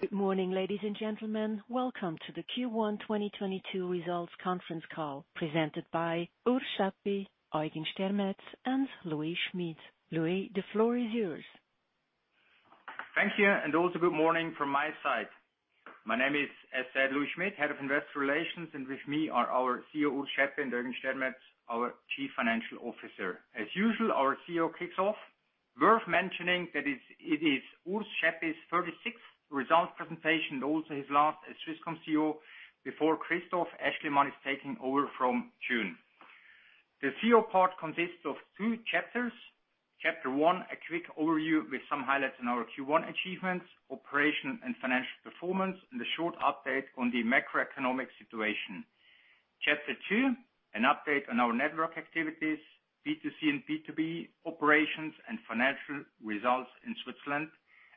Good morning, ladies and gentlemen. Welcome to the Q1 2022 results conference call presented by Urs Schaeppi, Eugen Stermetz, and Louis Schmid. Louis, the floor is yours. Thanks here, and also good morning from my side. My name is, as said, Louis Schmid, head of investor relations, and with me are our CEO, Urs Schaeppi, and Eugen Stermetz, our chief financial officer. As usual, our CEO kicks off. Worth mentioning that it is Urs Schaeppi's thirty-sixth results presentation, also his last as Swisscom CEO before Christoph Aeschlimann is taking over from June. The CEO part consists of two chapters. Chapter one, a quick overview with some highlights on our Q1 achievements, operational and financial performance, and a short update on the macroeconomic situation. Chapter two, an update on our network activities, B2C and B2B operations and financial results in Switzerland,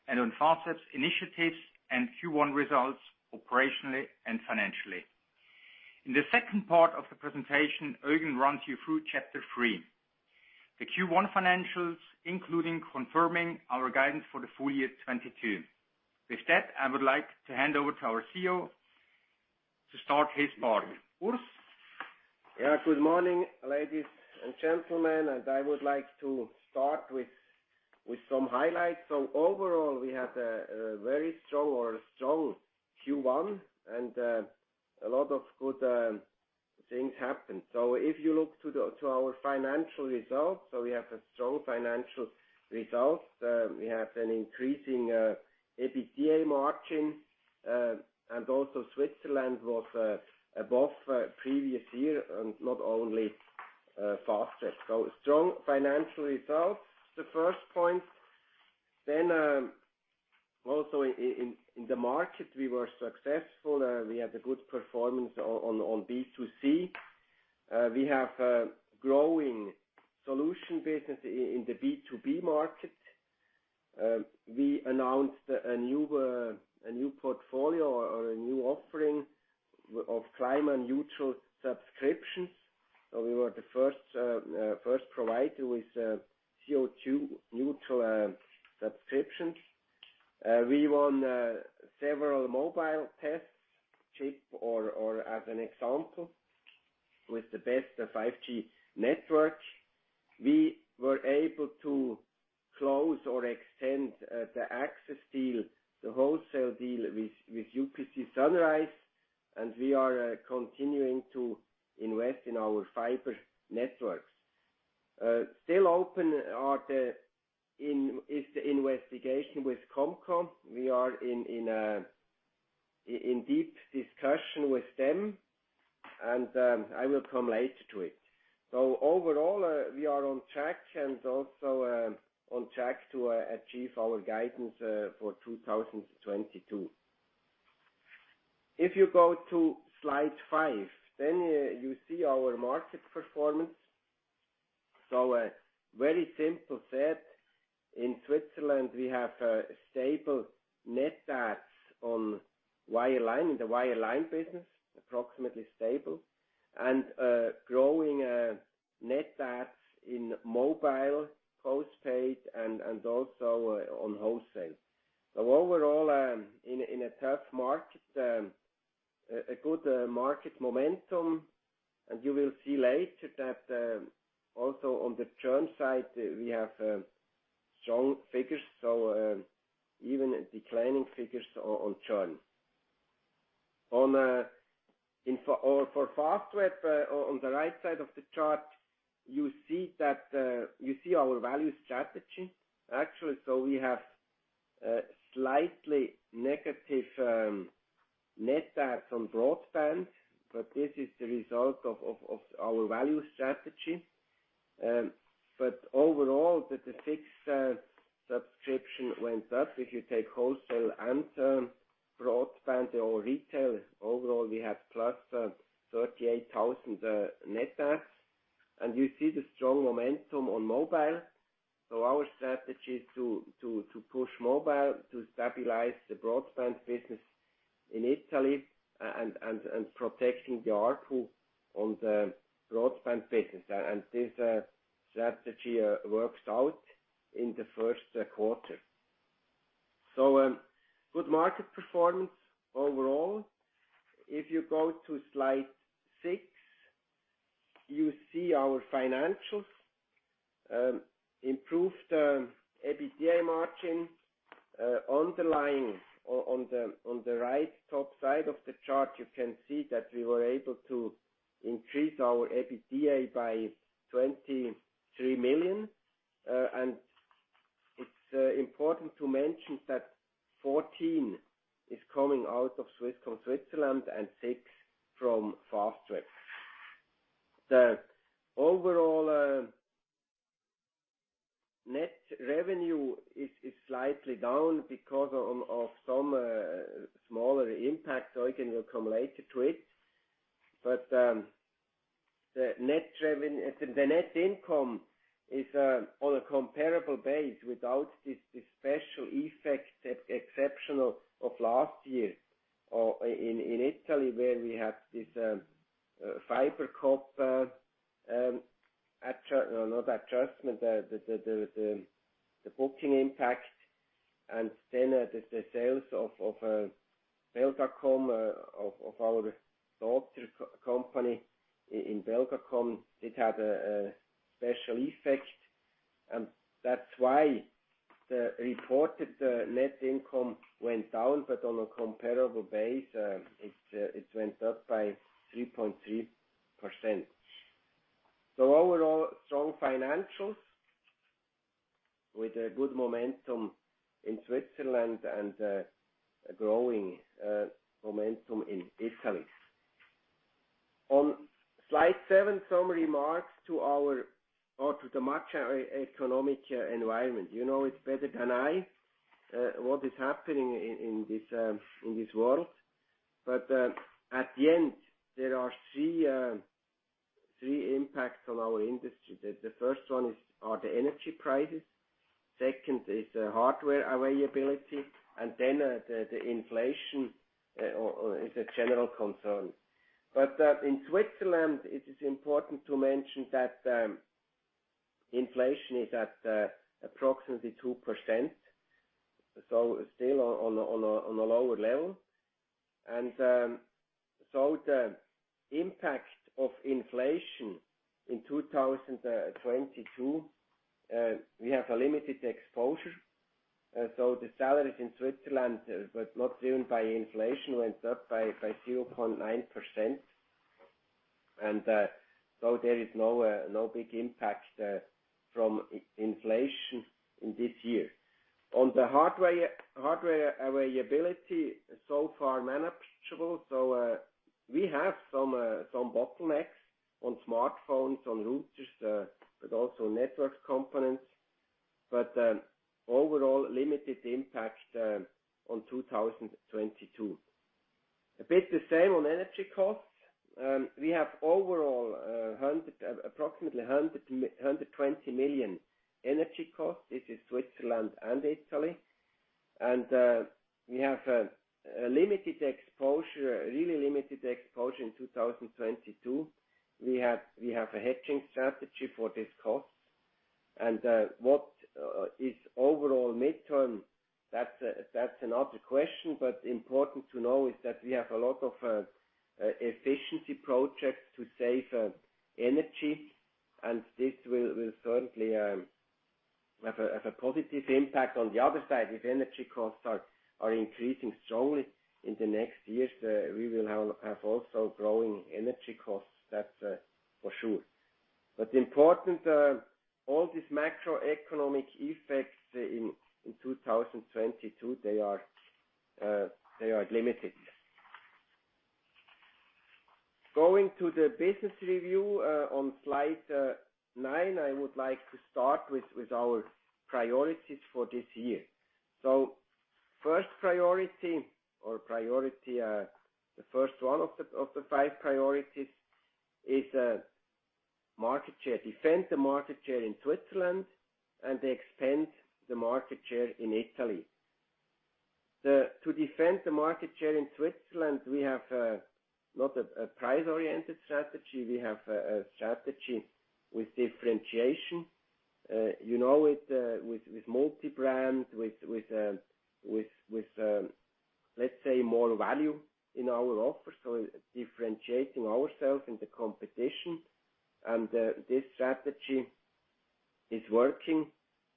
and on Fastweb's initiatives and Q1 results operationally and financially. In the second part of the presentation, Eugen runs you through chapter three, the Q1 financials, including confirming our guidance for the full year 2022. With that, I would like to hand over to our CEO to start his part. Urs? Yeah. Good morning, ladies and gentlemen, and I would like to start with some highlights. Overall, we had a very strong or a strong Q1 and a lot of good things happened. If you look to our financial results, we have a strong financial result. We have an increasing EBITDA margin, and also Switzerland was above previous year and not only Fastweb. Strong financial results, the first point. Also in the market, we were successful. We had a good performance on B2C. We have a growing solution business in the B2B market. We announced a new portfolio or a new offering of climate neutral subscriptions. We were the first provider with CO2 neutral subscriptions. We won several mobile tests, CHIP or as an example, with the best 5G network. We were able to close or extend the access deal, the wholesale deal with Sunrise UPC, and we are continuing to invest in our fiber networks. Still open is the investigation with ComCom. We are in deep discussion with them and I will come later to it. Overall, we are on track and also on track to achieve our guidance for 2022. If you go to slide 5, then you see our market performance. Very simply said, in Switzerland, we have a stable net adds on wireline, in the wireline business, approximately stable, and growing net adds in mobile, postpaid, and also on wholesale. Overall, in a tough market, a good market momentum. You will see later that also on the churn side, we have strong figures, even declining figures on churn. Or for Fastweb, on the right side of the chart, you see that our value strategy. Actually, we have slightly negative net adds on broadband, but this is the result of our value strategy. Overall, the fixed subscription went up. If you take wholesale and broadband or retail, overall, we have +38,000 net adds. You see the strong momentum on mobile. Our strategy to push mobile, to stabilize the broadband business in Italy and protecting the ARPU on the broadband business. This strategy works out in the first quarter. Good market performance overall. If you go to slide six, you see our financials. Improved EBITDA margin. Underlying, on the right top side of the chart, you can see that we were able to increase our EBITDA by 23 million. It's important to mention that 14 million is coming out of Swisscom Switzerland and 6 million from Fastweb. The overall net revenue is slightly down because of some smaller impact. Eugen will come later to it. The net income is on a comparable base without this special effect, exceptional of last year, in Italy where we had this FiberCop, no, not adjustment. The booking impact and then the sales of Belgacom of our daughter company in Belgacom had a special effect. That's why the reported net income went down. On a comparable basis, it went up by 3.3%. Overall strong financials with a good momentum in Switzerland and a growing momentum in Italy. On slide seven, some remarks to our or to the macroeconomic environment. You know it better than I what is happening in this world. At the end, there are three impacts on our industry. The first one is the energy prices. Second is hardware availability, and then the inflation is a general concern. In Switzerland, it is important to mention that inflation is at approximately 2%, so still on a lower level. The impact of inflation in 2022, we have a limited exposure. The salaries in Switzerland, but not driven by inflation, went up by 0.9%. There is no big impact from inflation in this year. On the hardware availability so far manageable. We have some bottlenecks on smartphones, on routers, but also network components, but overall limited impact on 2022. A bit the same on energy costs. We have overall approximately 120 million energy costs. This is Switzerland and Italy. We have a limited exposure, really limited exposure in 2022. We have a hedging strategy for this cost. What is overall midterm? That's another question. Important to know is that we have a lot of efficiency projects to save energy, and this will certainly have a positive impact. On the other side, if energy costs are increasing strongly in the next years, we will have also growing energy costs. That's for sure. Important, all these macroeconomic effects in 2022, they are limited. Going to the business review on slide 9. I would like to start with our priorities for this year. First priority, the first one of the five priorities is market share. Defend the market share in Switzerland and expand the market share in Italy. To defend the market share in Switzerland, we have not a price-oriented strategy. We have a strategy with differentiation, you know, with let's say more value in our offer. Differentiating ourselves in the competition. This strategy is working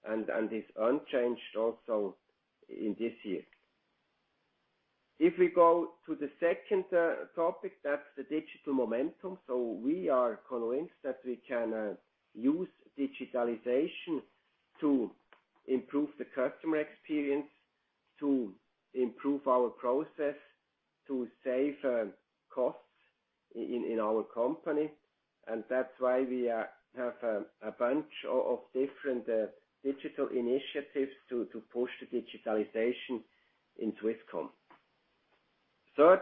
and is unchanged also in this year. If we go to the second topic, that's the digital momentum. We are convinced that we can use digitalization to improve the customer experience, to improve our process, to save costs in our company. That's why we have a bunch of different digital initiatives to push the digitalization in Swisscom. Third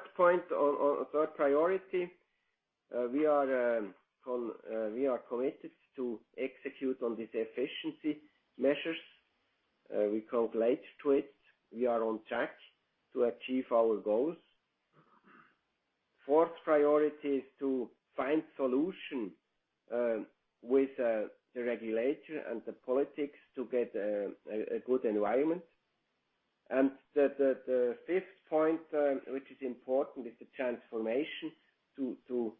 priority, we are committed to execute on these efficiency measures. We call Light2It. We are on track to achieve our goals. Fourth priority is to find solution with the regulator and the politics to get a good environment. The fifth point, which is important is the transformation to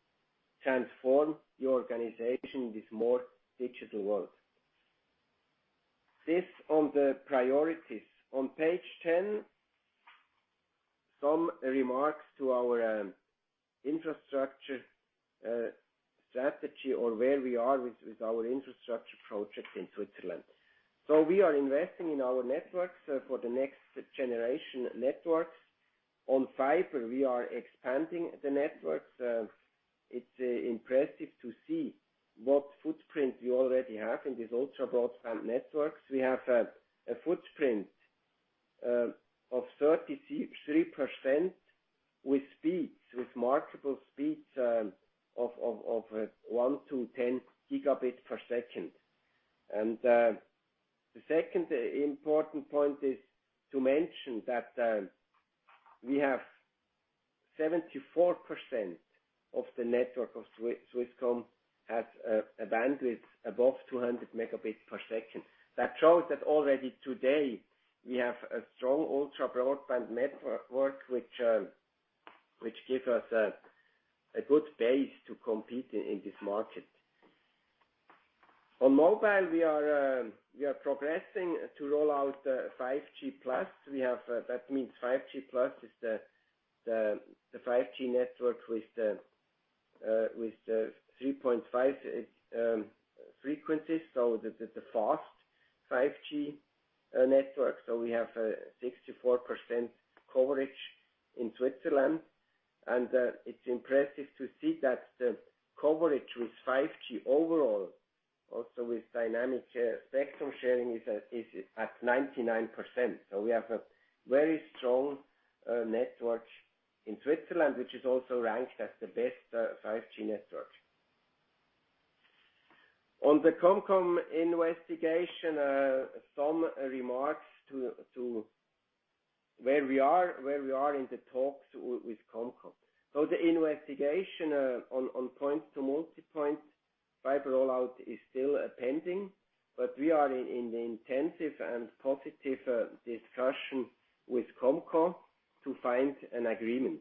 transform the organization in this more digital world. This on the priorities. On page 10, some remarks to our infrastructure strategy or where we are with our infrastructure projects in Switzerland. We are investing in our networks for the next generation networks. On fiber, we are expanding the networks. It's impressive to see what footprint we already have in these ultra-broadband networks. We have a footprint of 33% with speeds, with marketable speeds, of 1-10 Gbps. The second important point is to mention that 74% of the network of Swisscom has a bandwidth above 200 Mbps. That shows that already today we have a strong ultra-broadband network which give us a good base to compete in this market. On mobile, we are progressing to roll out 5G+. That means 5G+ is the 5G network with the 3.5 frequencies, so the fast 5G network. We have 64% coverage in Switzerland. It's impressive to see that the coverage with 5G overall, also with dynamic spectrum sharing is at 99%. We have a very strong network in Switzerland, which is also ranked as the best 5G network. On the ComCom investigation, some remarks to where we are in the talks with ComCom. The investigation on point-to-multipoint fiber rollout is still pending, but we are in the intensive and positive discussion with ComCom to find an agreement.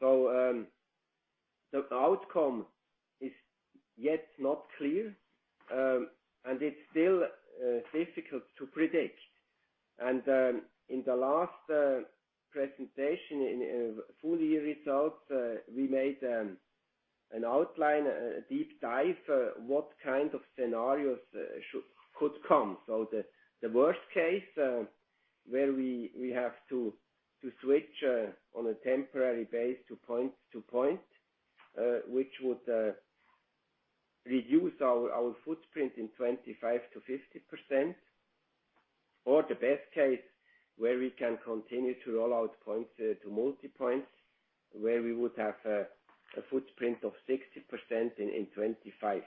The outcome is yet not clear, and it's still difficult to predict. In the last presentation in full year results, we made an outline, a deep dive, what kind of scenarios could come. The worst case where we have to switch on a temporary basis to point-to-point, which would reduce our footprint 25-50%, or the best case where we can continue to roll out point-to-multipoint, where we would have a footprint of 60% in 2025.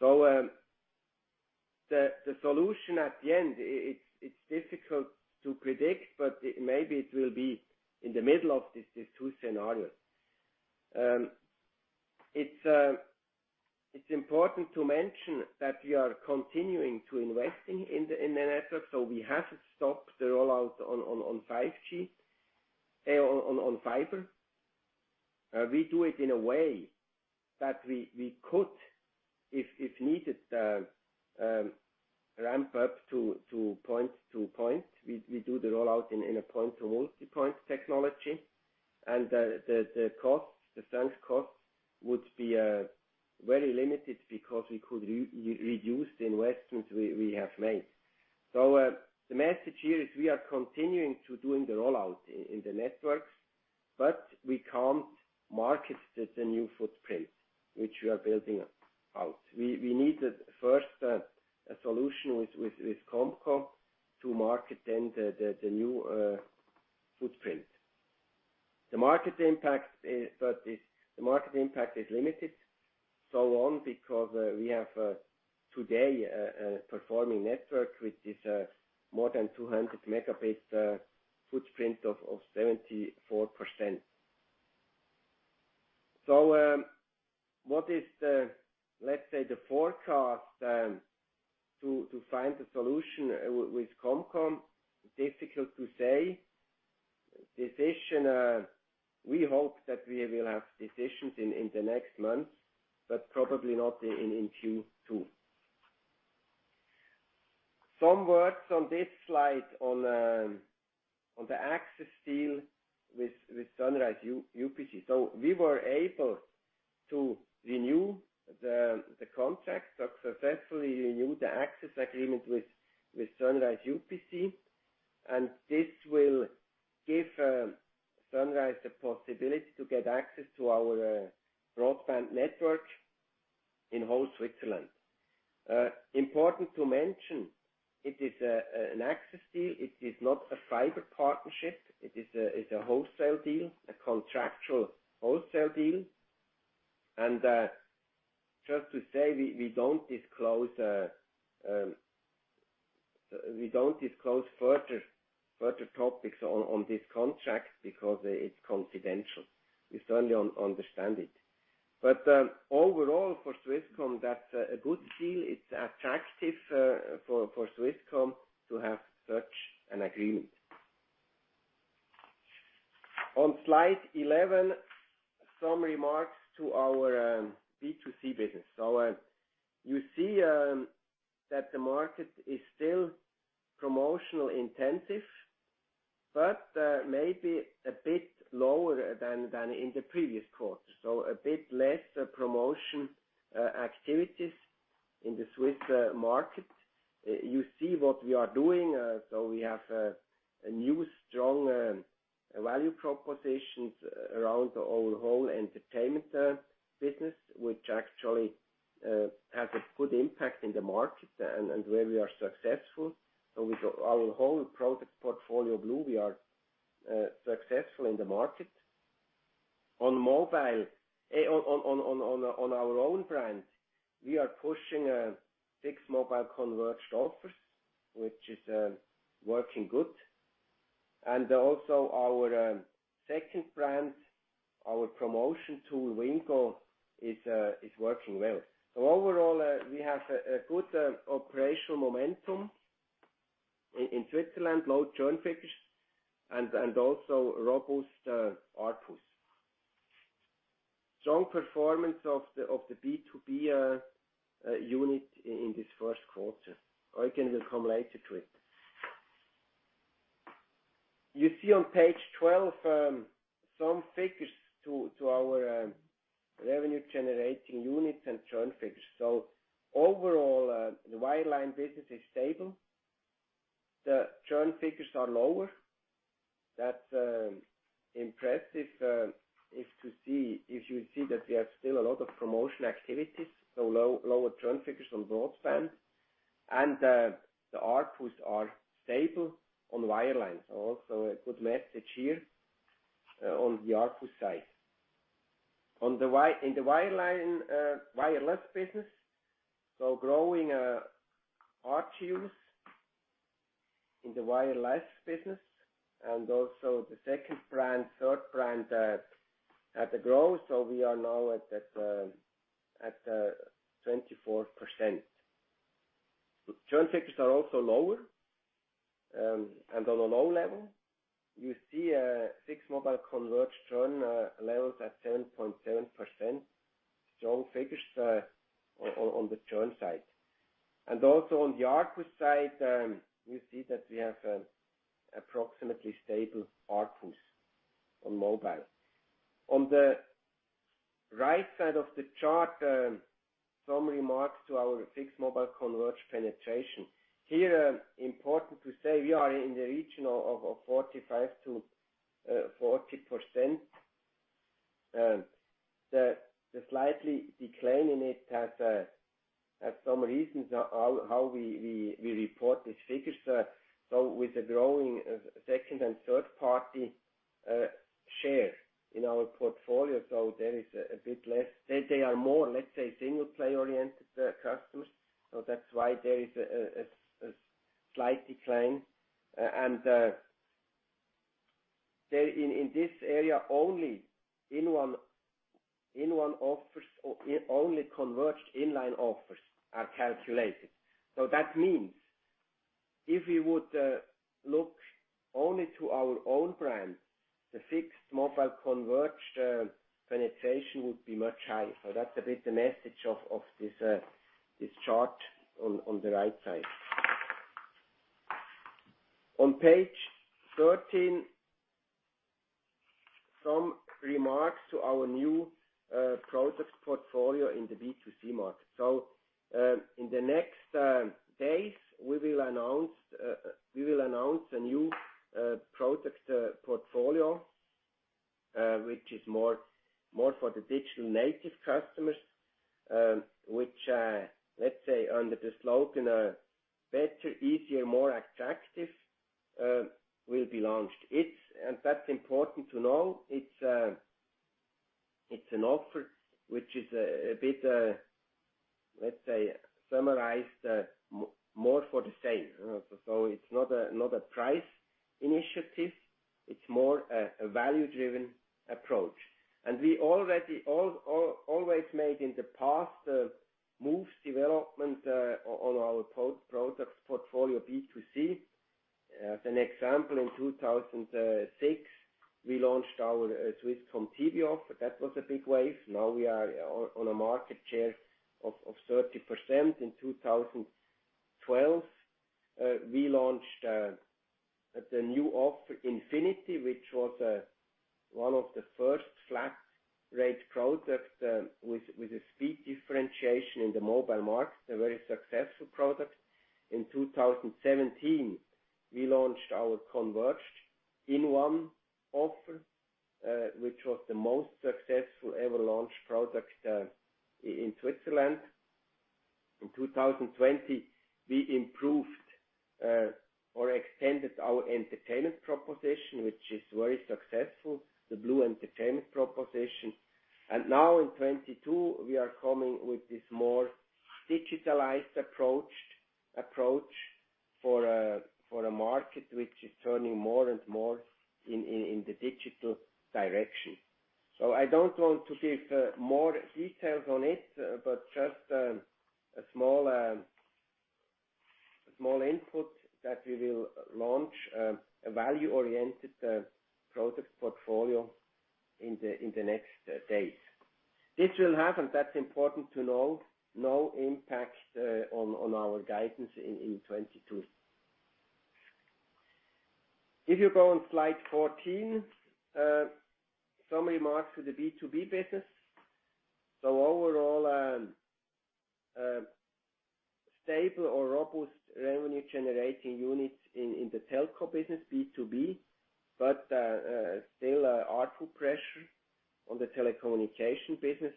The solution at the end it's difficult to predict, but maybe it will be in the middle of these two scenarios. It's important to mention that we are continuing to invest in the network, so we haven't stopped the rollout on fiber. We do it in a way that we could, if needed, ramp up to point-to-point. We do the rollout in a point-to-multipoint technology. The costs, the sunk costs would be very limited because we could reduce the investments we have made. The message here is we are continuing to doing the rollout in the networks, but we can't market the new footprint which we are building out. We need the first, a solution with Comcom to market then the new footprint. The market impact is limited so long because we have today a performing network, which is more than 200 megabit footprint of 74%. What is the, let's say, the forecast to find a solution with Comcom? Difficult to say. Decision, we hope that we will have decisions in the next months, but probably not in Q2. Some words on this slide on the access deal with Sunrise UPC. We were able to successfully renew the access agreement with Sunrise UPC, and this will give Sunrise the possibility to get access to our broadband network in whole Switzerland. Important to mention, it is an access deal. It is not a fiber partnership. It is a wholesale deal, a contractual wholesale deal. Just to say, we don't disclose further topics on this contract because it's confidential. We certainly understand it. Overall for Swisscom, that's a good deal. It's attractive for Swisscom to have such an agreement. On slide 11, some remarks to our B2C business. You see that the market is still promotional intensive, but maybe a bit lower than in the previous quarter, so a bit less promotional activities in the Swiss market. You see what we are doing. We have a new strong value propositions around our whole entertainment business, which actually has a good impact in the market and where we are successful. With our whole product portfolio blue, we are successful in the market. On mobile, on our own brand, we are pushing fixed mobile converged offers, which is working good. Also our second brand, our promotion tool, Wingo, is working well. Overall, we have a good operational momentum in Switzerland, low churn figures and also robust ARPU. Strong performance of the B2B unit in this first quarter. I can come later to it. You see on page 12, some figures to our revenue-generating units and churn figures. Overall, the wireline business is stable. The churn figures are lower. That's impressive to see if you see that we have still a lot of promotion activities, so lower churn figures on broadband. The ARPUs are stable on wireline. Also a good message here on the ARPU side. In the wireline wireless business, growing ARPUs in the wireless business, and also the second brand, third brand had a growth, so we are now at 24%. Churn figures are also lower, and on a low level. You see fixed mobile converged churn levels at 7.7%. Strong figures on the churn side. On the ARPU side, we see that we have approximately stable ARPUs on mobile. On the right side of the chart, some remarks to our fixed mobile converged penetration. Here, important to say we are in the region of 45%-40%. The slight decline in it has some reasons how we report these figures. With the growing second and third-party share in our portfolio. There is a bit less. They are more, let's say, single-play-oriented customers. That's why there is a slight decline. There in this area, only in own offers or own-only converged fixed-line offers are calculated. That means if you would look only to our own brand, the fixed mobile converged penetration would be much higher. That's a bit the message of this chart on the right side. On page 13, some remarks to our new product portfolio in the B2C market. In the next days, we will announce a new product portfolio which is more for the digital-native customers, which, let's say, under the slogan better, easier, more attractive, will be launched. It's, and that's important to know. It's an offer which is a bit, let's say, summarized, more for the same. It's not a price initiative. It's more a value-driven approach. We already always made in the past moves development on our products portfolio B2C. As an example, in 2006, we launched our Swisscom TV offer. That was a big wave. Now we are on a market share of 30%. In 2012, we launched the new offer, Infinity, which was one of the first flat-rate products with a speed differentiation in the mobile market, a very successful product. In 2017, we launched our converged inOne offer, which was the most successful ever-launched product in Switzerland. In 2020, we improved or extended our entertainment proposition, which is very successful, the blue entertainment proposition. Now in 2022, we are coming with this more digitalized approach for a market which is turning more and more in the digital direction. I don't want to give more details on it, but just a small input that we will launch a value-oriented product portfolio in the next days. This will have, and that's important to know, no impact on our guidance in 2022. If you go on slide 14, some remarks for the B2B business. Overall, stable or robust revenue-generating units in the telco business, B2B, but still, ARPU pressure on the telecommunications business.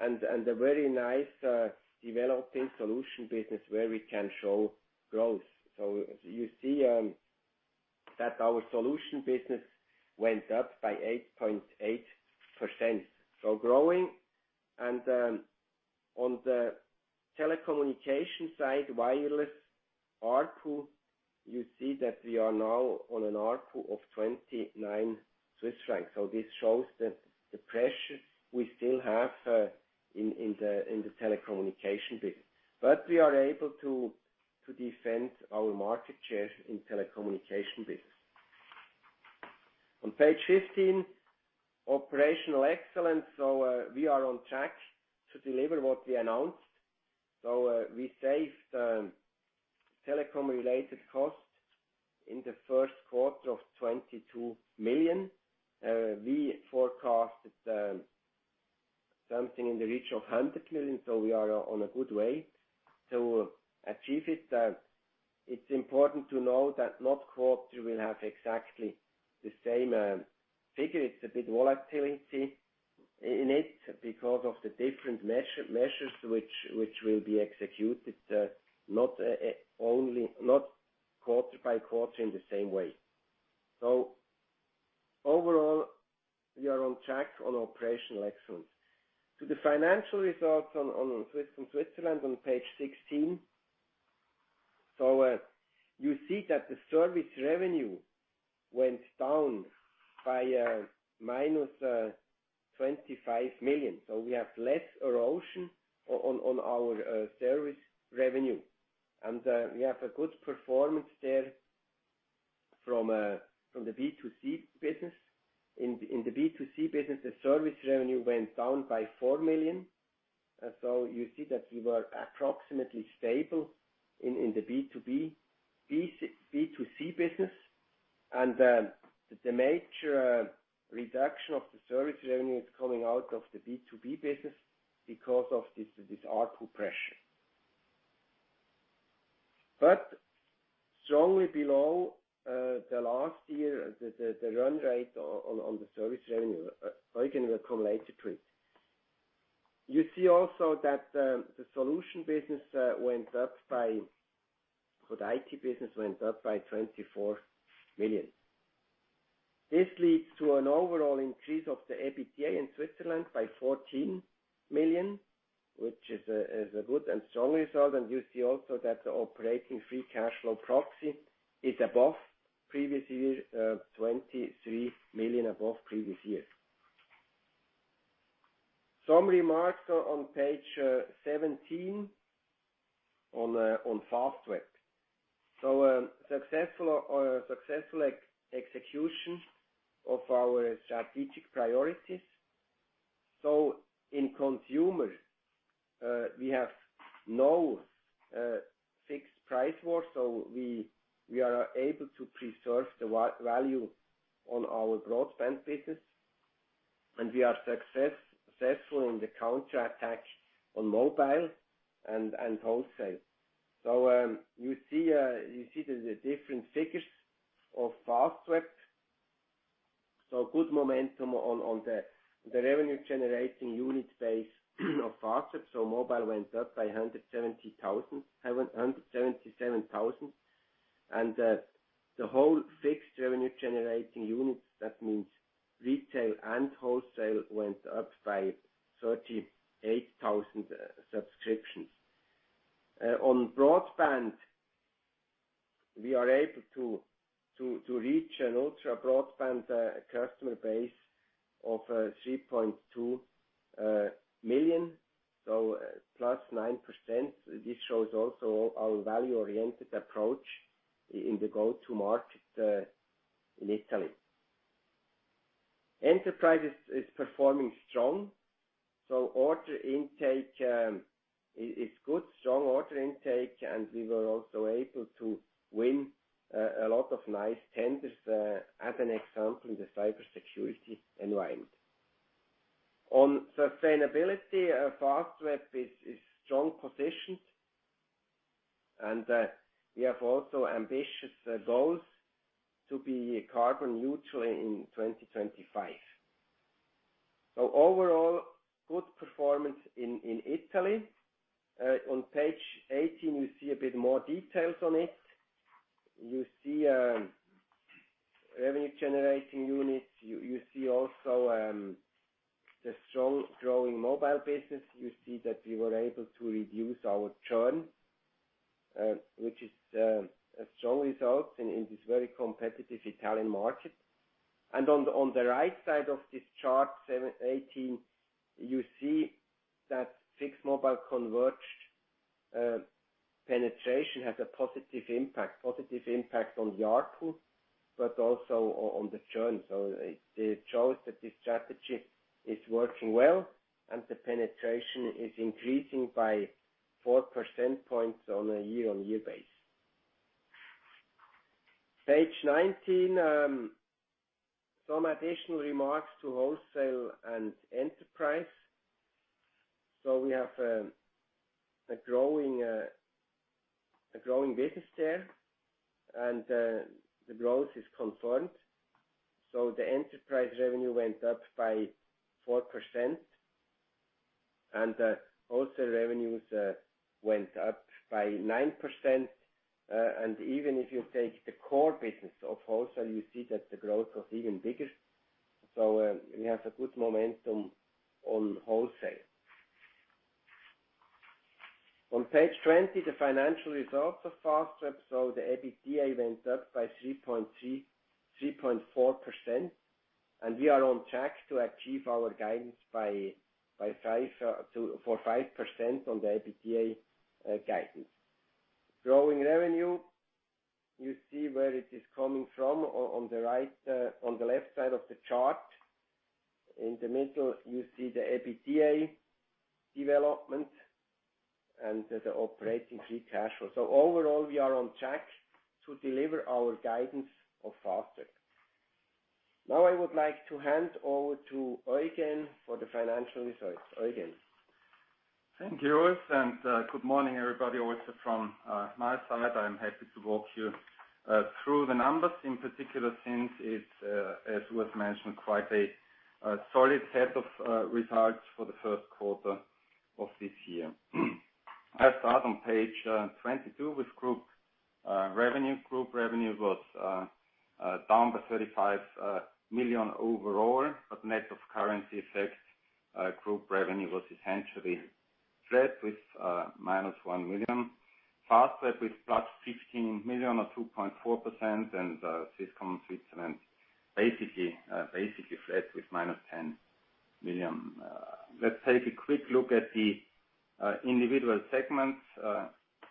A very nice developing solution business where we can show growth. You see that our solution business went up by 8.8%, so growing. On the telecommunications side, wireless ARPU, you see that we are now on an ARPU of 29 Swiss francs. This shows that the pressure we still have in the telecommunications business. We are able to defend our market share in telecommunications business. On page 15, operational excellence. We are on track to deliver what we announced. We saved telecom-related costs in the first quarter of 22 million. We forecasted something in the region of 100 million, so we are on a good way to achieve it. It's important to know that not every quarter will have exactly the same figure. There's a bit of volatility in it because of the different measures which will be executed not evenly, not quarter by quarter in the same way. Overall, we are on track with operational excellence. To the financial results on Swisscom Switzerland on page 16. You see that the service revenue went down by -25 million. We have less erosion on our service revenue. We have a good performance there from the B2C business. In the B2C business, the service revenue went down by 4 million. You see that we were approximately stable in the B2B, B2C business. The major reduction of the service revenue is coming out of the B2B business because of this ARPU pressure. Strongly below the last year's run rate on the service revenue, the organic accumulated to it. You see also that the solution business, the IT business, went up by 24 million. This leads to an overall increase of the EBITDA in Switzerland by 14 million, which is a good and strong result. You see also that the operating free cash flow proxy is above previous year, 23 million above previous year. Some remarks on page 17 on Fastweb. Successful execution of our strategic priorities. In consumer, we have no fixed price war, so we are able to preserve the value on our broadband business, and we are successful in the counterattack on mobile and wholesale. You see the different figures of Fastweb. Good momentum on the revenue-generating unit base of Fastweb. Mobile went up by 177,000. The whole fixed revenue-generating units, that means retail and wholesale, went up by 38,000 subscriptions. On broadband, we are able to reach an ultra-broadband customer base of 3.2 million, so +9%. This shows also our value-oriented approach in the go-to-market in Italy. Enterprise is performing strong. Order intake is good, strong order intake, and we were also able to win a lot of nice tenders, as an example in the cybersecurity environment. On sustainability, Fastweb is strongly positioned, and we have also ambitious goals to be carbon neutral in 2025. Overall, good performance in Italy. On page 18, you see a bit more details on it. You see revenue-generating units. You see also the strongly growing mobile business. You see that we were able to reduce our churn, which is a strong result in this very competitive Italian market. On the right side of this chart on page 18, you see that fixed mobile converged penetration has a positive impact on the ARPU, but also on the churn. It shows that this strategy is working well, and the penetration is increasing by 4 percentage points on a year-on-year basis. Page 19, some additional remarks to wholesale and enterprise. We have a growing business there. The growth is confirmed. The enterprise revenue went up by 4%, and the wholesale revenues went up by 9%. Even if you take the core business of wholesale, you see that the growth was even bigger. We have a good momentum on wholesale. On page 20, the financial results of Fastweb. The EBITDA went up by 3.4%, and we are on track to achieve our guidance for 5% on the EBITDA guidance. Growing revenue, you see where it is coming from on the right, on the left side of the chart. In the middle, you see the EBITDA development and the operating free cash flow. Overall, we are on track to deliver our guidance of Fastweb. Now, I would like to hand over to Eugen for the financial results. Eugen. Thank you, Urs. Good morning, everybody, also from my side. I'm happy to walk you through the numbers in particular since it's, as Urs mentioned, quite a solid set of results for the first quarter of this year. I start on page 22 with group revenue. Group revenue was down by 35 million overall, but net of currency effects, group revenue was essentially flat with -1 million. Fastweb with +15 million or 2.4%, and Swisscom Switzerland basically flat with -10 million. Let's take a quick look at the individual segments.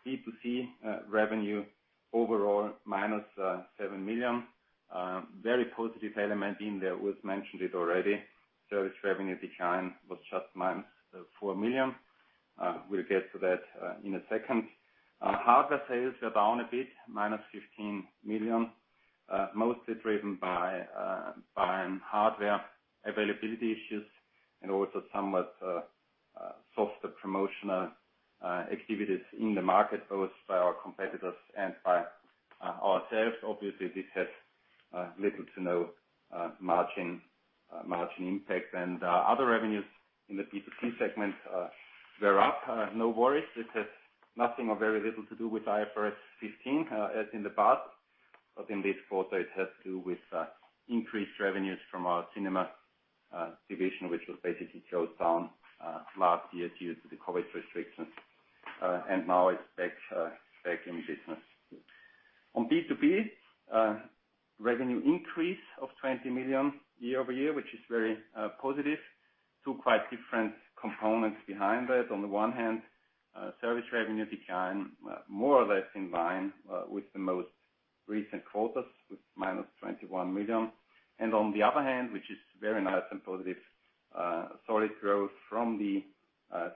B2C revenue overall -7 million. Very positive element in there. Urs mentioned it already. Service revenue decline was just -4 million We'll get to that in a second. Hardware sales were down a bit, -15 million, mostly driven by hardware availability issues and also somewhat softer promotional activities in the market, both by our competitors and by ourselves. Obviously, this has little to no margin impact. Other revenues in the B2C segment were up. No worries. This has nothing or very little to do with IFRS 15 as in the past. In this quarter, it has to do with increased revenues from our cinema division, which was basically closed down last year due to the COVID restrictions. Now it's back in business. On B2B, revenue increase of 20 million year-over-year, which is very positive. Two quite different components behind that. On the one hand, service revenue decline more or less in line with the most recent quarters with -21 million. On the other hand, which is very nice and positive, solid growth from the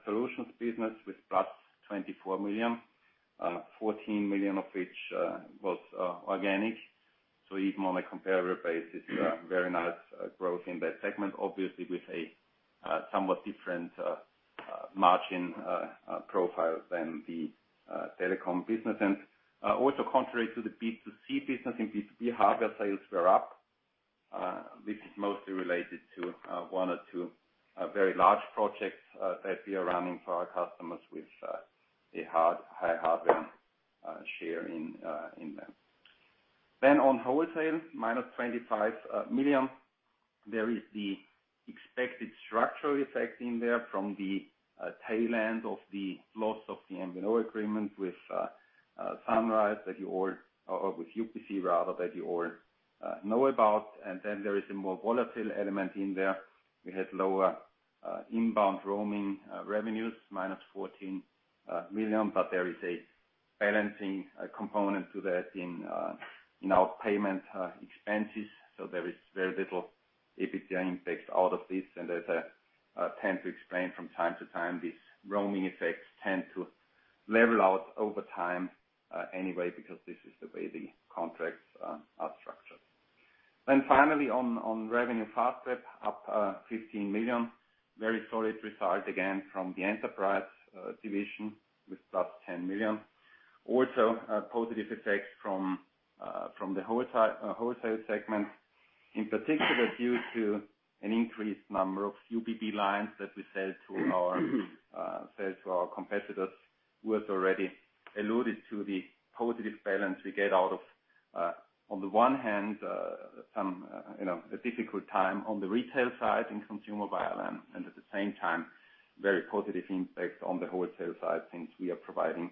solutions business with +24 million, 14 million of which was organic. Even on a comparable basis, very nice growth in that segment, obviously with a somewhat different margin profile than the telecom business. Also contrary to the B2C business, in B2B, hardware sales were up. This is mostly related to one or two very large projects that we are running for our customers with a high hardware share in them. On wholesale, -25 million. There is the expected structural effect in there from the tail end of the loss of the MVNO agreement with UPC, rather, that you all know about. There is a more volatile element in there. We had lower inbound roaming revenues -14 million, but there is a balancing component to that in our payment expenses. There is very little EBITDA impact out of this. As I tend to explain from time to time, these roaming effects tend to level out over time anyway because this is the way the contracts are structured. Finally on revenue, Fastweb up 15 million. Very solid result again from the enterprise division with +10 million. Also a positive effect from the wholesale segment, in particular due to an increased number of UBB lines that we sell to our competitors. Urs already alluded to the positive balance we get out of on the one hand you know a difficult time on the retail side in consumer wireline. At the same time, very positive impact on the wholesale side since we are providing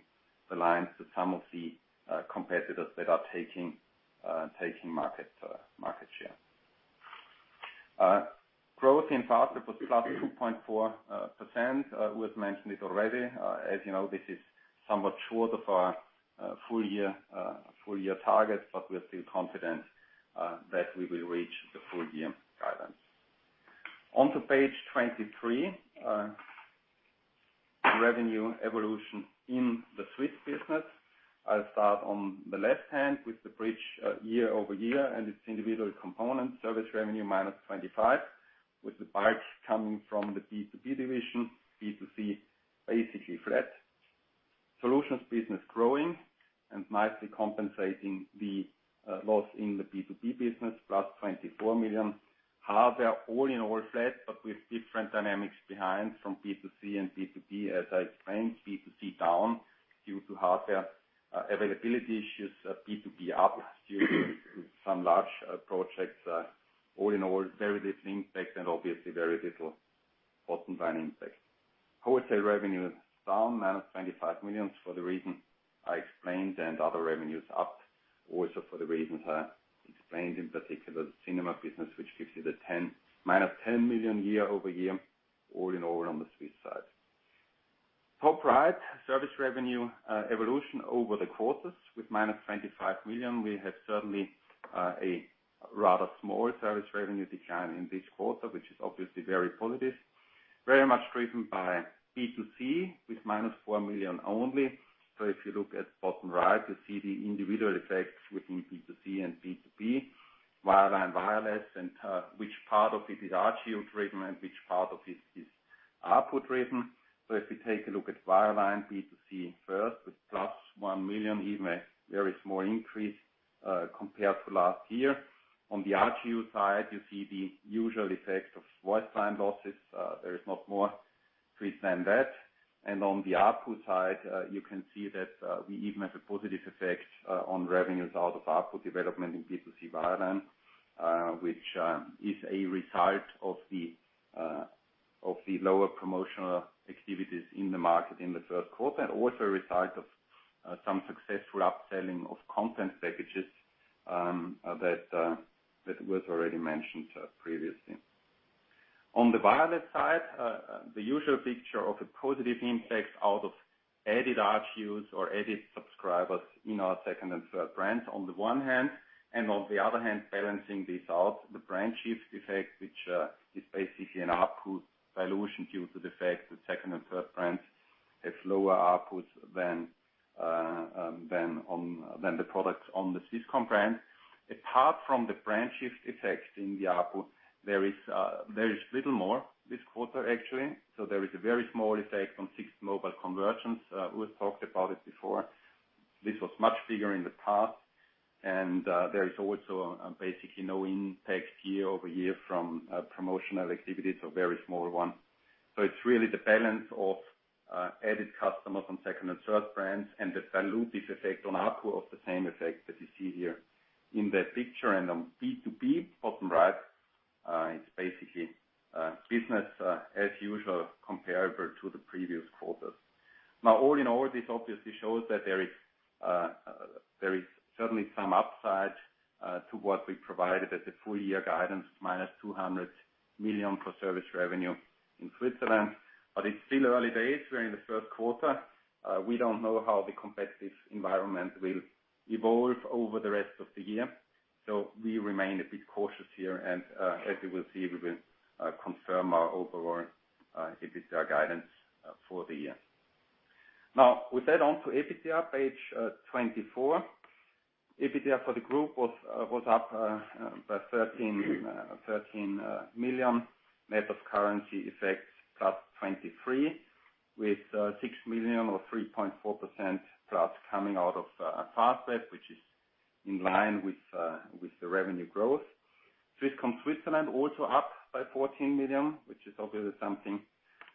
the lines to some of the competitors that are taking market share. Growth in Fastweb was plus 2.4%. Urs mentioned it already. As you know, this is somewhat short of our full year target, but we're still confident that we will reach the full year guidance. On to page 23, revenue evolution in the Swiss business. I'll start on the left hand with the bridge, year-over-year and its individual components. Service revenue -25 million, with the hits coming from the B2B division, B2C basically flat. Solutions business growing and nicely compensating the loss in the B2B business, +24 million. Hardware all in all flat, but with different dynamics behind from B2C and B2B. As I explained, B2C down due to hardware availability issues, B2B up due to some large projects. All in all, very little impact and obviously very little bottom line impact. Wholesale revenue is down -25 million for the reason I explained, and other revenues up also for the reasons I explained, in particular the cinema business, which gives you -10 million year-over-year all in all on the Swiss side. Top right, service revenue evolution over the quarters with -25 million. We have certainly a rather small service revenue decline in this quarter, which is obviously very positive. Very much driven by B2C with -4 million only. If you look at bottom right, you see the individual effects within B2C and B2B, wireline, wireless, and which part of it is RGU driven and which part of it is ARPU driven. If you take a look at wireline B2C first with +1 million, even a very small increase compared to last year. On the RGU side, you see the usual effect of voice line losses. There is not more to it than that. On the ARPU side, you can see that we even have a positive effect on revenues out of ARPU development in B2C wireline, which is a result of the lower promotional activities in the market in the first quarter, and also a result of some successful upselling of content packages that was already mentioned previously. On the wireless side, the usual picture of a positive impact out of added RGUs or added subscribers in our second and third brands on the one hand, and on the other hand, balancing this out, the brand shift effect, which is basically an ARPU dilution due to the fact that second and third brands have lower ARPUs than the products on the Swisscom brand. Apart from the brand shift effect in the ARPU, there is little more this quarter actually. There is a very small effect on fixed mobile convergence. We've talked about it before. This was much bigger in the past, and there is also basically no impact year-over-year from promotional activities or very small one. It's really the balance of added customers on second and third brands and the dilutive effect on ARPU of the same effect that you see here in that picture. On B2B, bottom right, it's basically business as usual comparable to the previous quarters. Now all in all, this obviously shows that there is certainly some upside to what we provided at the full-year guidance, -200 million for service revenue in Switzerland. It's still early days. We're in the first quarter. We don't know how the competitive environment will evolve over the rest of the year. We remain a bit cautious here, and as you will see, we will confirm our overall EBITDA guidance for the year. Now with that on to EBITDA, page 24. EBITDA for the group was up by 13 million. Net of currency effects, +23 million, with 6 million or 3.4%+ coming out of Fastweb, which is in line with the revenue growth. Swisscom Switzerland also up by 14 million, which is obviously something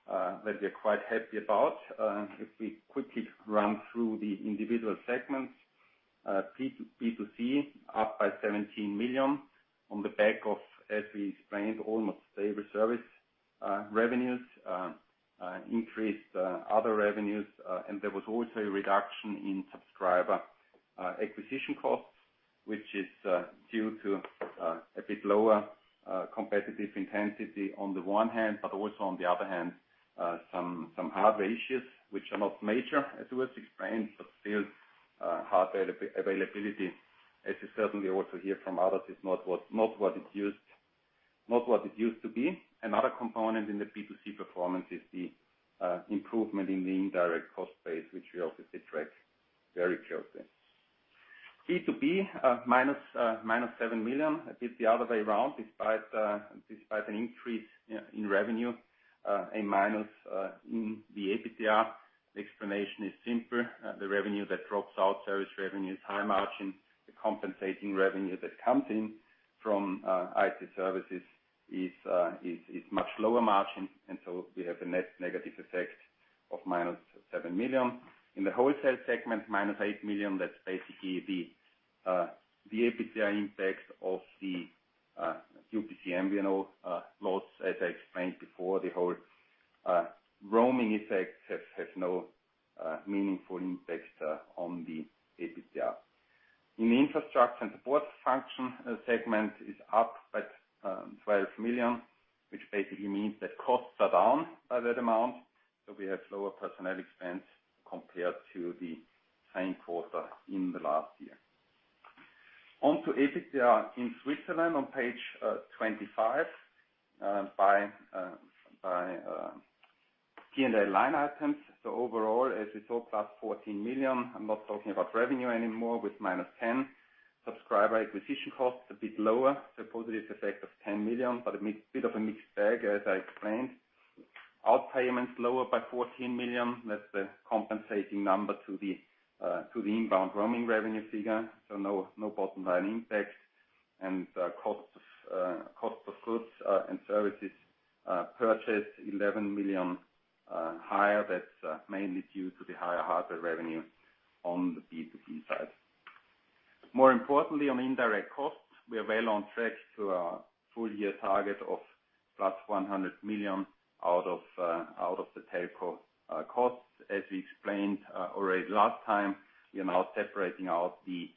that we are quite happy about. If we quickly run through the individual segments, B2C up by 17 million on the back of, as we explained, almost stable service revenues, increased other revenues. There was also a reduction in subscriber acquisition costs, which is due to a bit lower competitive intensity on the one hand, but also on the other hand, some hardware issues which are not major, as we have explained, but still, hardware availability, as you certainly also hear from others, is not what it used to be. Another component in the B2C performance is the improvement in the indirect cost base, which we obviously track very closely. B2B minus 7 million. A bit the other way around, despite an increase in revenue, a minus in the EBITDA. The explanation is simple. The revenue that drops out, service revenue is high margin. The compensating revenue that comes in from IT services is much lower margin. We have a net negative effect of minus 7 million. In the wholesale segment, minus 8 million. That's basically the EBITDA impact of the UPC MVNO loss. As I explained before, the whole roaming effect has no meaningful impact on the EBITDA. In the infrastructure and support function segment is up by 12 million, which basically means that costs are down by that amount. We have lower personnel expense compared to the same quarter in the last year. On to EBITDA in Switzerland on page 25. By P&L line items. Overall, as we saw, +14 million. I'm not talking about revenue anymore with -10 million. Subscriber acquisition cost a bit lower, so positive effect of 10 million, but a bit of a mixed bag, as I explained. Outpayments lower by 14 million. That's the compensating number to the inbound roaming revenue figure. No bottom line impact. Cost of goods and services purchased 11 million higher. That's mainly due to the higher hardware revenue on the B2B side. More importantly, on indirect costs, we are well on track to our full year target of +100 million out of the telco costs. As we explained already last time, we are now separating out the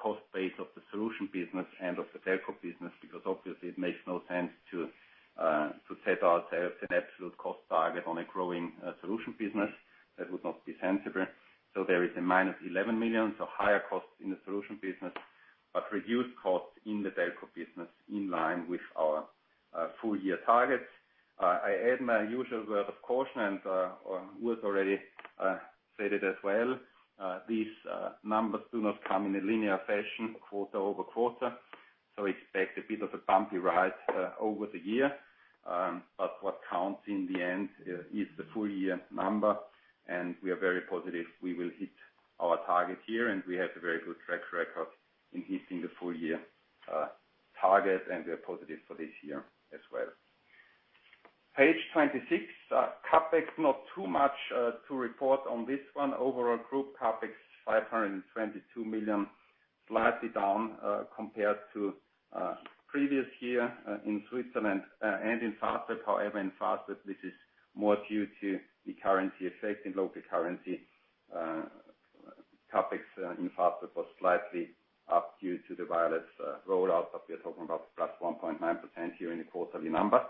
cost base of the solution business and of the telco business because obviously it makes no sense to set out an absolute cost target on a growing solution business. That would not be sensible. There is -11 million, so higher costs in the solution business, but reduced costs in the telco business in line with our full year targets. I add my usual word of caution, and Urs already said it as well. These numbers do not come in a linear fashion quarter-over-quarter, so expect a bit of a bumpy ride over the year. What counts in the end is the full year number, and we are very positive we will hit our target here, and we have a very good track record in hitting the full year target, and we are positive for this year as well. Page 26, our CapEx not too much to report on this one. Overall group CapEx 522 million, slightly down compared to previous year in Switzerland and in Fastweb. However, in Fastweb, this is more due to the currency effect in local currency. CapEx in Fastweb was slightly up due to the wireless rollout, but we are talking about +1.9% here in the quarterly number,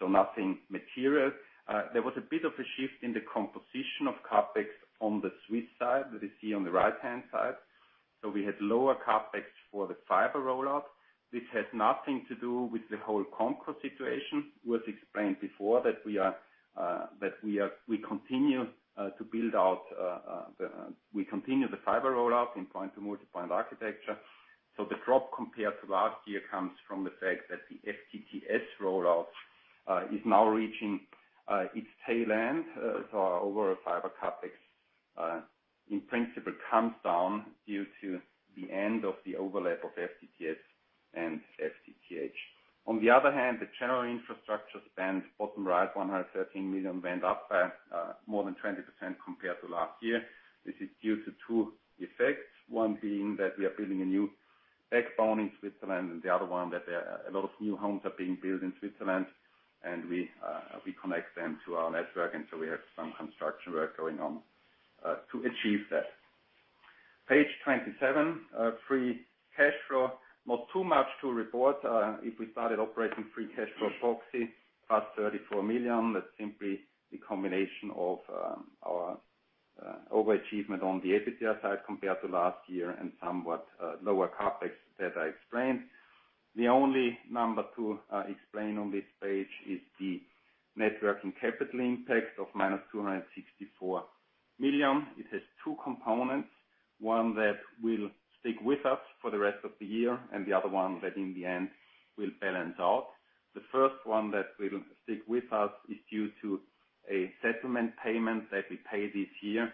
so nothing material. There was a bit of a shift in the composition of CapEx on the Swiss side that you see on the right-hand side. We had lower CapEx for the fiber rollout. This has nothing to do with the whole ComCom situation. Urs explained before that we continue to build out the fiber rollout in point-to-multipoint architecture. The drop compared to last year comes from the fact that the FTTS rollout is now reaching its tail end. Overall fiber CapEx in principle comes down due to the end of the overlap of FTTS and FTTH. On the other hand, the general infrastructure spend, bottom right, 113 million, went up more than 20% compared to last year. This is due to two effects. One being that we are building a new backbone in Switzerland, and the other one that a lot of new homes are being built in Switzerland, and we connect them to our network, and so we have some construction work going on to achieve that. Page 27, free cash flow. Not too much to report. If we started operating free cash flow proxy, +34 million. That's simply the combination of our overachievement on the EBITDA side compared to last year and somewhat lower CapEx that I explained. The only number to explain on this page is the net working capital impact of -264 million. It has two components, one that will stick with us for the rest of the year and the other one that in the end will balance out. The first one that will stick with us is due to a settlement payment that we paid this year,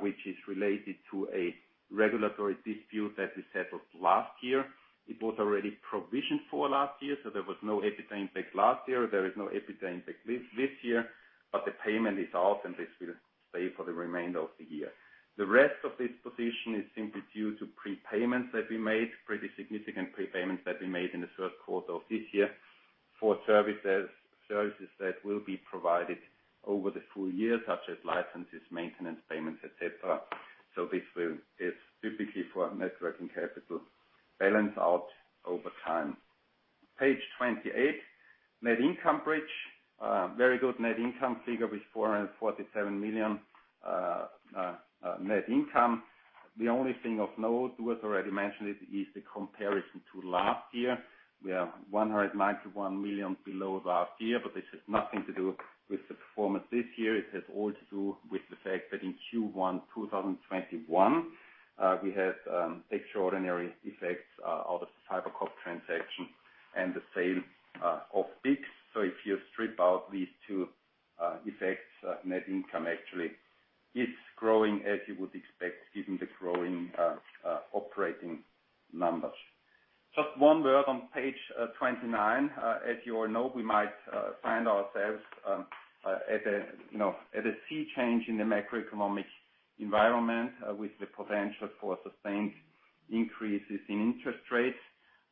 which is related to a regulatory dispute that we settled last year. It was already provisioned for last year, so there was no EBITDA impact last year. There is no EBITDA impact this year, but the payment is out, and this will stay for the remainder of the year. The rest of this position is simply due to prepayments that we made, pretty significant prepayments that we made in the third quarter of this year for services that will be provided over the full year, such as licenses, maintenance payments, et cetera. This will typically balance out over time for net working capital. Page 28, net income bridge. Very good net income figure with 447 million net income. The only thing of note, Urs already mentioned it, is the comparison to last year. We are 191 million below last year, but this has nothing to do with the performance this year. It has all to do with the fact that in Q1 2021 we had extraordinary effects out of the Swisscom transaction and the sale of BICS. If you strip out these two effects, net income actually is growing as you would expect given the growing operating numbers. Just one word on page 29. As you all know, we might find ourselves, you know, at a sea change in the macroeconomic environment with the potential for sustained increases in interest rates.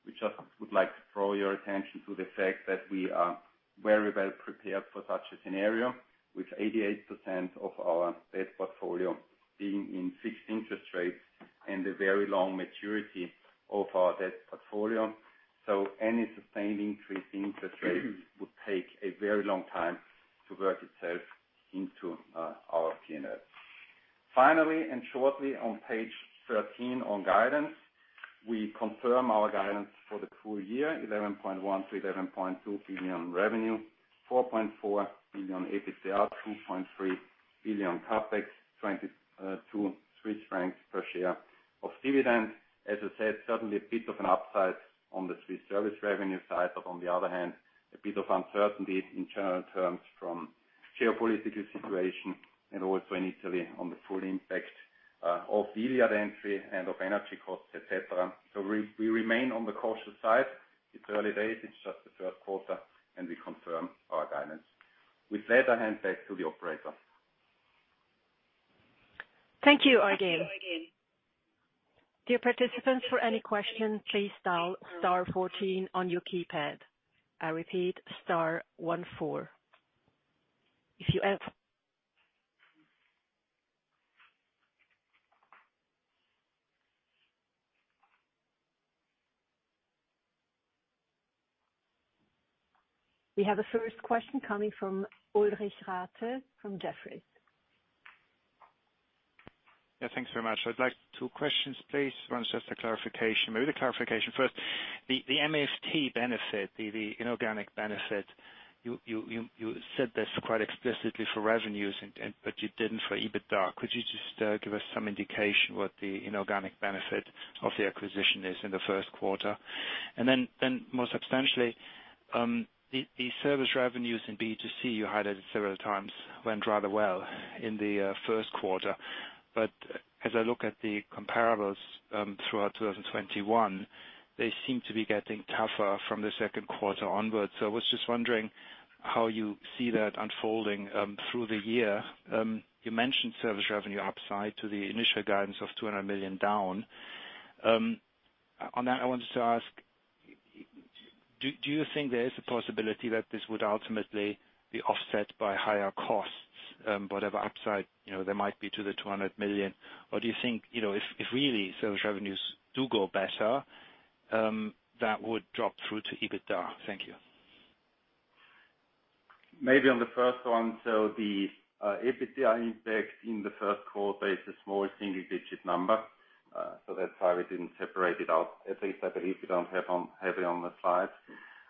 We just would like to draw your attention to the fact that we are very well prepared for such a scenario with 88% of our debt portfolio being in fixed interest rates and a very long maturity of our debt portfolio. Any sustained increase in interest rates would take a very long time to work itself into our P&L. Finally, shortly on page 13 on guidance, we confirm our guidance for the full year, 11.1 billion-11.2 billion revenue, 4.4 billion EBITDA, 2.3 billion CapEx, 22 francs per share of dividend. As I said, certainly a bit of an upside on the Swiss service revenue side, but on the other hand, a bit of uncertainty in general terms from geopolitical situation and also in Italy on the full impact of Iliad entry and of energy costs, et cetera. We remain on the cautious side. It's early days, it's just the first quarter, and we confirm our guidance. With that, I hand back to the operator. Thank you, again. Dear participants, for any questions, please dial star fourteen on your keypad. I repeat star one four. We have a first question coming from Ulrich Rathe from Jefferies. Yeah, thanks very much. I'd like two questions, please. One's just a clarification. Maybe the clarification first. The MTF benefit, the inorganic benefit, you said this quite explicitly for revenues and but you didn't for EBITDA. Could you just give us some indication what the inorganic benefit of the acquisition is in the first quarter? More substantially, the service revenues in B2C, you highlighted several times, went rather well in the first quarter. As I look at the comparables, throughout 2021, they seem to be getting tougher from the second quarter onwards. I was just wondering how you see that unfolding through the year. You mentioned service revenue upside to the initial guidance of 200 million down. On that, I wanted to ask, do you think there is a possibility that this would ultimately be offset by higher costs, whatever upside, you know, there might be to the 200 million? Or do you think, you know, if really service revenues do go better, that would drop through to EBITDA? Thank you. Maybe on the first one, the EBITDA impact in the first quarter is a small single-digit number, so that's why we didn't separate it out. At least I believe we don't have it on the slide.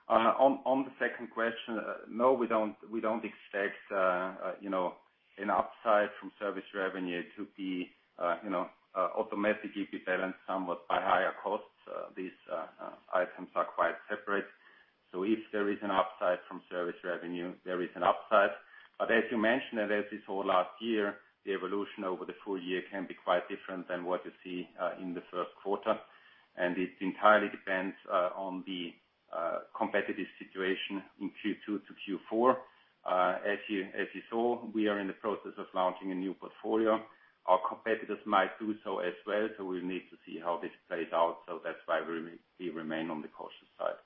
On the second question, no, we don't expect you know an upside from service revenue to be you know automatically balanced somewhat by higher costs. These items are quite separate. If there is an upside from service revenue, there is an upside. As you mentioned, and as we saw last year, the evolution over the full year can be quite different than what you see in the first quarter. It entirely depends on the competitive situation in Q2 to Q4. As you saw, we are in the process of launching a new portfolio. Our competitors might do so as well, so we'll need to see how this plays out. That's why we remain on the cautious side.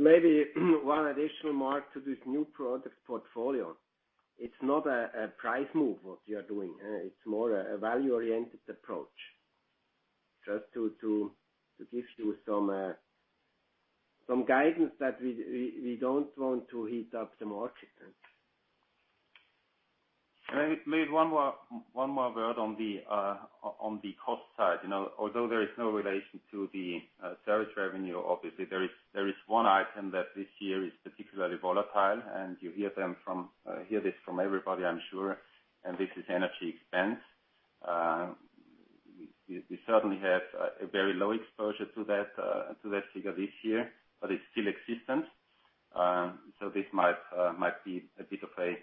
Maybe one additional mark to this new product portfolio. It's not a price move, what we are doing. It's more a value-oriented approach. Just to give you some guidance that we don't want to heat up the market. Maybe one more word on the cost side. You know, although there is no relation to the service revenue, obviously there is one item that this year is particularly volatile, and you hear this from everybody, I'm sure, and this is energy expense. We certainly have a very low exposure to that figure this year, but it's still existent. So this might be a bit of an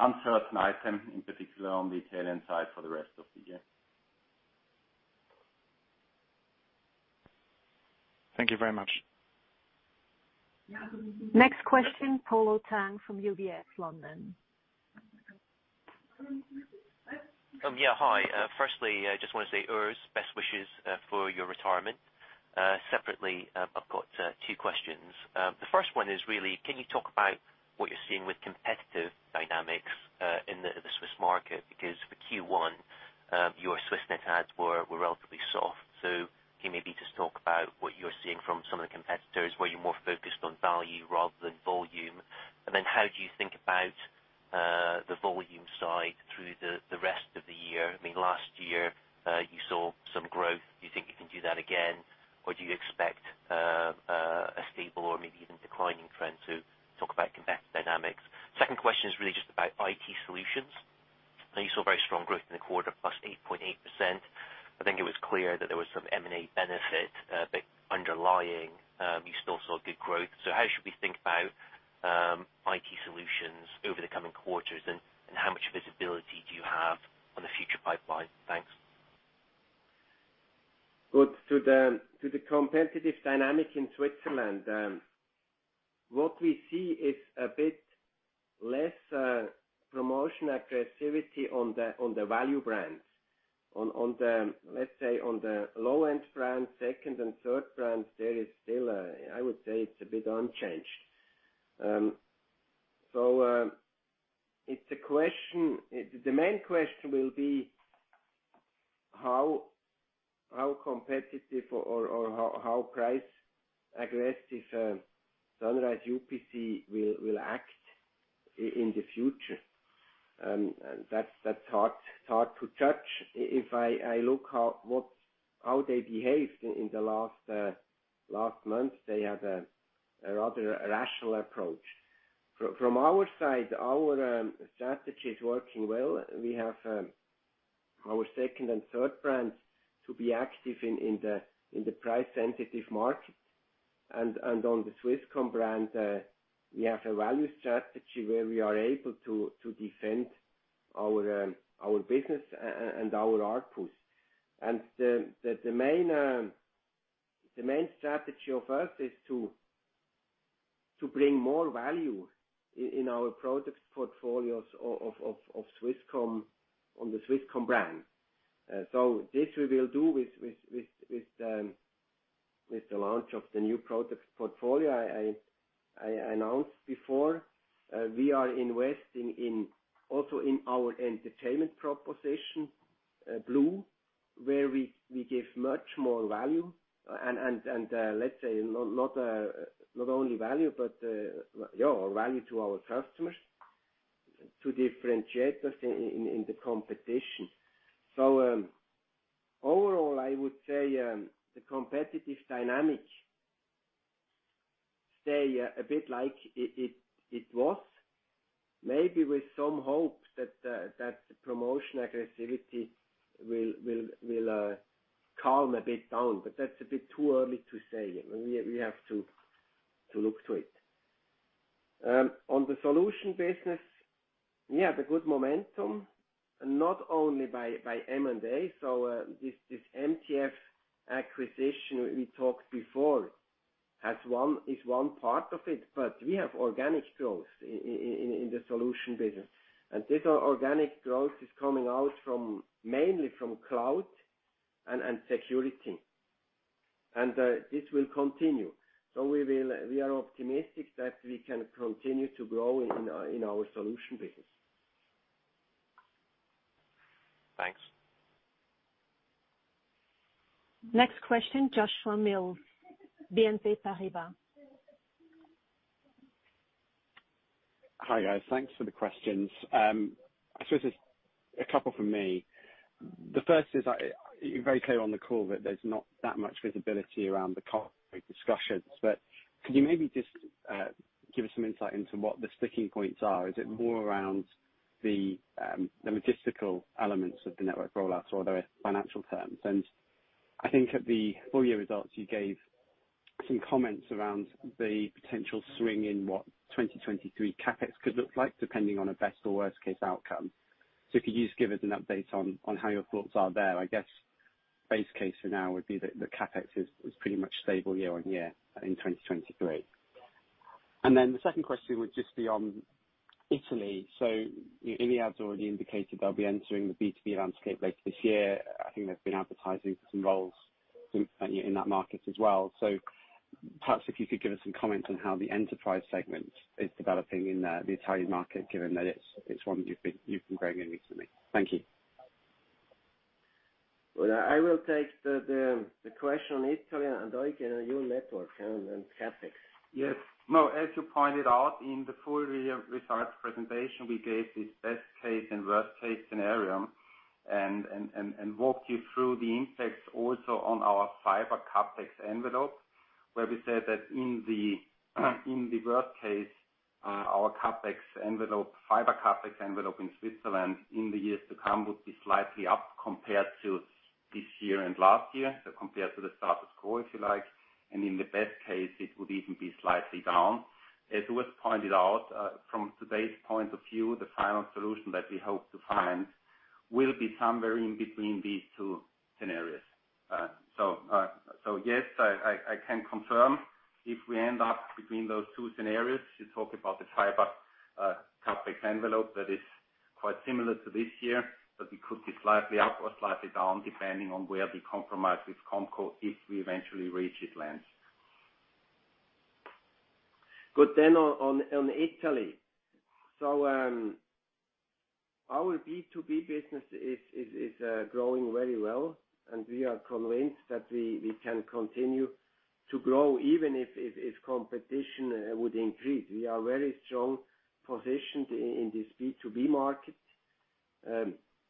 uncertain item, in particular on the Italian side for the rest of the year. Thank you very much. Next question, Polo Tang from UBS, London. Yeah. Hi. Firstly, I just want to say, Urs, best wishes for your retirement. Separately, I've got two questions. The first one is really, can you talk about what you're seeing with competitive dynamics in the Swiss market? Because for Q1, your Swiss net adds were relatively soft. Can you maybe just talk about what you're seeing from some of the competitors, where you're more focused on value rather than volume? How do you think about the volume side through the rest of the year? I mean, last year, you saw some growth. Do you think you can do that again? Or do you expect a stable or maybe even declining trend to talk about competitive dynamics? Second question is really just about IT solutions. I know you saw very strong growth in the quarter, +8.8%. I think it was clear that there was some M&A benefit, but underlying, you still saw good growth. How should we think about IT solutions over the coming quarters, and how much visibility do you have on the future pipeline? Thanks. Good. To the competitive dynamic in Switzerland, what we see is a bit less promotional aggressiveness on the value brands. On the, let's say, low-end brands, second and third brands, there is still. I would say it's a bit unchanged. It's a question. The main question will be how competitive or how price aggressive Sunrise UPC will act in the future. That's hard to judge. If I look how they behaved in the last months, they had a rather rational approach. From our side, our strategy is working well. We have our second and third brands to be active in the price-sensitive market. on the Swisscom brand, we have a value strategy where we are able to defend our business and our outputs. The main strategy of us is to bring more value in our products portfolios of Swisscom, on the Swisscom brand. This we will do with the launch of the new product portfolio I announced before. We are investing also in our entertainment proposition, blue, where we give much more value. Let's say not only value, but value to our customers to differentiate us in the competition. Overall, I would say, the competitive dynamic stay a bit like it was. Maybe with some hope that the promotion aggressivity will calm a bit down, but that's a bit too early to say. We have to look to it. On the solution business, we have a good momentum, not only by M&A. This MTF acquisition we talked before is one part of it, but we have organic growth in the solution business. This organic growth is coming from, mainly from cloud and security. This will continue. We are optimistic that we can continue to grow in our solution business. Thanks. Next question, Joshua Mills, BNP Paribas. Hi, guys. Thanks for the questions. I suppose there's a couple from me. The first is, you're very clear on the call that there's not that much visibility around the current discussions, but could you maybe just give us some insight into what the sticking points are? Is it more around the logistical elements of the network rollouts or the financial terms? I think at the full year results, you gave some comments around the potential swing in what 2023 CapEx could look like depending on a best or worst case outcome. If you could just give us an update on how your thoughts are there. I guess base case for now would be that the CapEx is pretty much stable year-on-year in 2023. Then the second question would just be on Italy. Iliad has already indicated they'll be entering the B2B landscape later this year. I think they've been advertising for some roles in that market as well. Perhaps if you could give us some comment on how the enterprise segment is developing in the Italian market, given that it's one you've been growing in recently. Thank you. Well, I will take the question on Italy, and Eugen, your network and CapEx. Yes. No, as you pointed out in the full year results presentation, we gave this best case and worst case scenario and walk you through the impacts also on our fiber CapEx envelope, where we said that in the worst case, our CapEx envelope, fiber CapEx envelope in Switzerland in the years to come would be slightly up compared to this year and last year, so compared to the status quo, if you like. In the best case, it would even be slightly down. As was pointed out, from today's point of view, the final solution that we hope to find will be somewhere in between these two scenarios. Yes, I can confirm if we end up between those two scenarios, you talk about the fiber CapEx envelope that is quite similar to this year, but we could be slightly up or slightly down, depending on where we compromise with ComCom if we eventually reach it lands. On Italy. Our B2B business is growing very well, and we are convinced that we can continue to grow even if competition would increase. We are very strong positioned in this B2B market,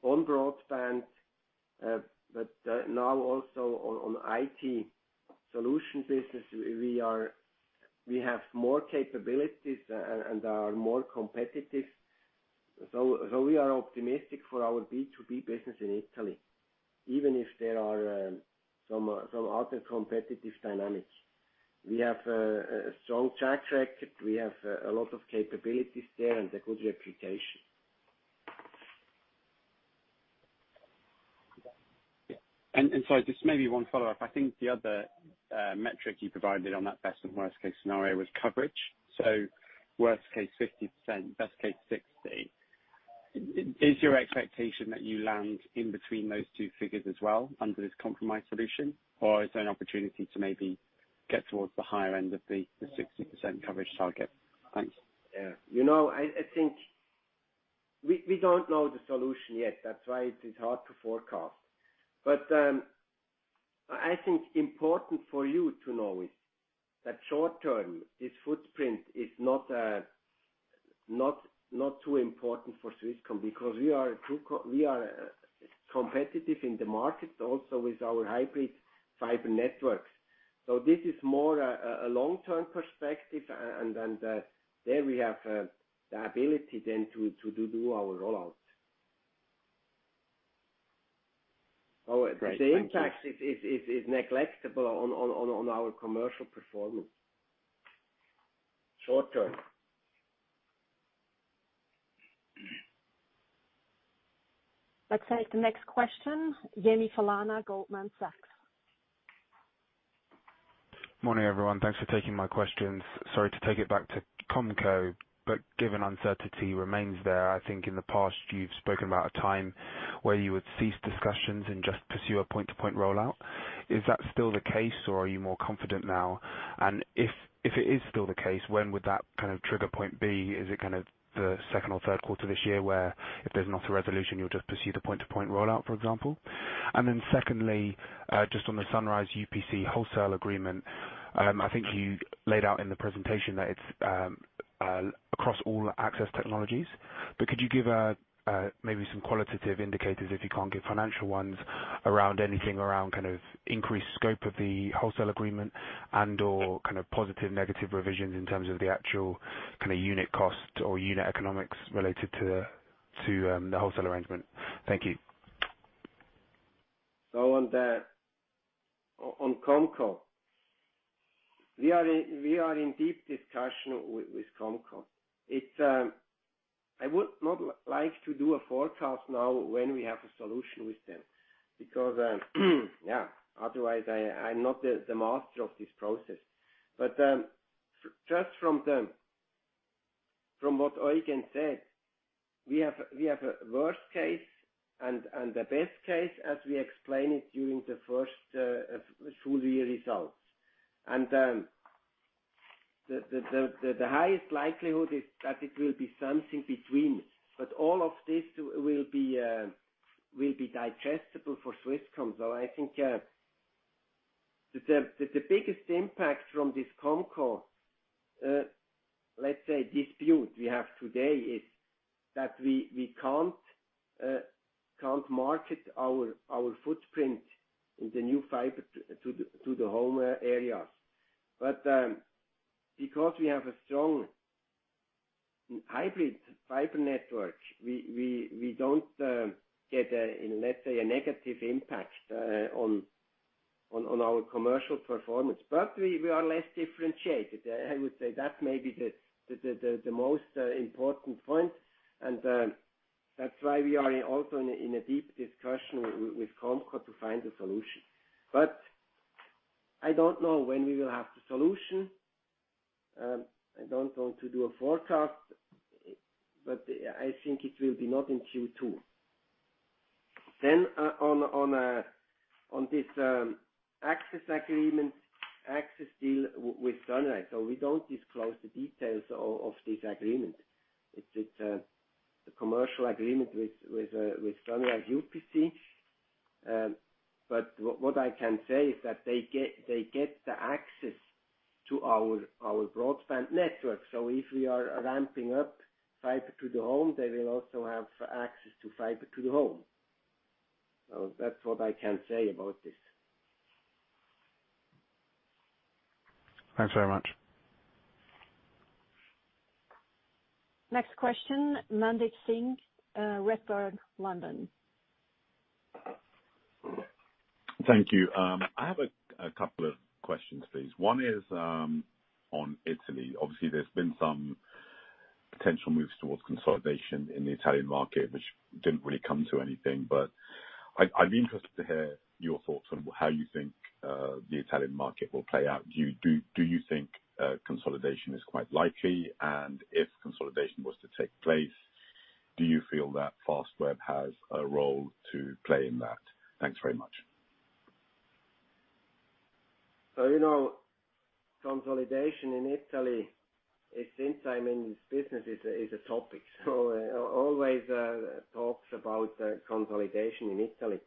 on broadband, but now also on IT solution business. We have more capabilities and are more competitive. We are optimistic for our B2B business in Italy, even if there are some other competitive dynamics. We have a strong track record. We have a lot of capabilities there and a good reputation. Yeah. Sorry, just maybe one follow-up. I think the other metric you provided on that best and worst case scenario was coverage. Worst case, 50%, best case, 60%. Is your expectation that you land in between those two figures as well under this compromise solution? Or is there an opportunity to maybe get towards the higher end of the 60% coverage target? Thanks. Yeah. You know, I think we don't know the solution yet. That's why it is hard to forecast. I think important for you to know is that short-term, this footprint is not too important for Swisscom because we are competitive in the market also with our hybrid fiber networks. This is more a long-term perspective. There we have the ability then to do our rollout. Great. Thank you. The impact is negligible on our commercial performance. Short term. Let's take the next question. Yemi Falana, Goldman Sachs. Morning, everyone. Thanks for taking my questions. Sorry to take it back to ComCom, but given uncertainty remains there, I think in the past you've spoken about a time where you would cease discussions and just pursue a point-to-point rollout. Is that still the case, or are you more confident now? And if it is still the case, when would that kind of trigger point be? Is it kind of the second or third quarter this year where if there's not a resolution, you'll just pursue the point-to-point rollout, for example? And then secondly, just on the Sunrise UPC wholesale agreement, I think you laid out in the presentation that it's across all access technologies. Could you give maybe some qualitative indicators, if you can't give financial ones around anything around kind of increased scope of the wholesale agreement and/or kind of positive/negative revisions in terms of the actual kind of unit cost or unit economics related to the wholesale arrangement? Thank you. On ComCom. We are in deep discussion with ComCom. It's I would not like to do a forecast now when we have a solution with them because, yeah, otherwise I'm not the master of this process. Just from what Eugen said, we have a worst case and the best case as we explained it during the first full year results. The highest likelihood is that it will be something between. All of this will be digestible for Swisscom. I think the biggest impact from this ComCom dispute we have today is that we can't market our footprint in the new fiber to the home areas. Because we have a strong hybrid fiber network, we don't get a, let's say, a negative impact on our commercial performance. We are less differentiated. I would say that may be the most important point, and that's why we are also in a deep discussion with ComCom to find a solution. I don't know when we will have the solution. I don't want to do a forecast, but I think it will be not in Q2. On this access agreement, access deal with Sunrise. We don't disclose the details of this agreement. It's a commercial agreement with Sunrise UPC. What I can say is that they get the access to our broadband network. If we are ramping up fiber to the home, they will also have access to fiber to the home. That's what I can say about this. Thanks very much. Next question, Mandeep Singh, Redburn, London. Thank you. I have a couple of questions, please. One is on Italy. Obviously, there's been some potential moves towards consolidation in the Italian market which didn't really come to anything. I'd be interested to hear your thoughts on how you think the Italian market will play out. Do you think consolidation is quite likely? And if consolidation was to take place, do you feel that Fastweb has a role to play in that? Thanks very much. You know, consolidation in Italy is since I'm in this business a topic. Always talks about consolidation in Italy.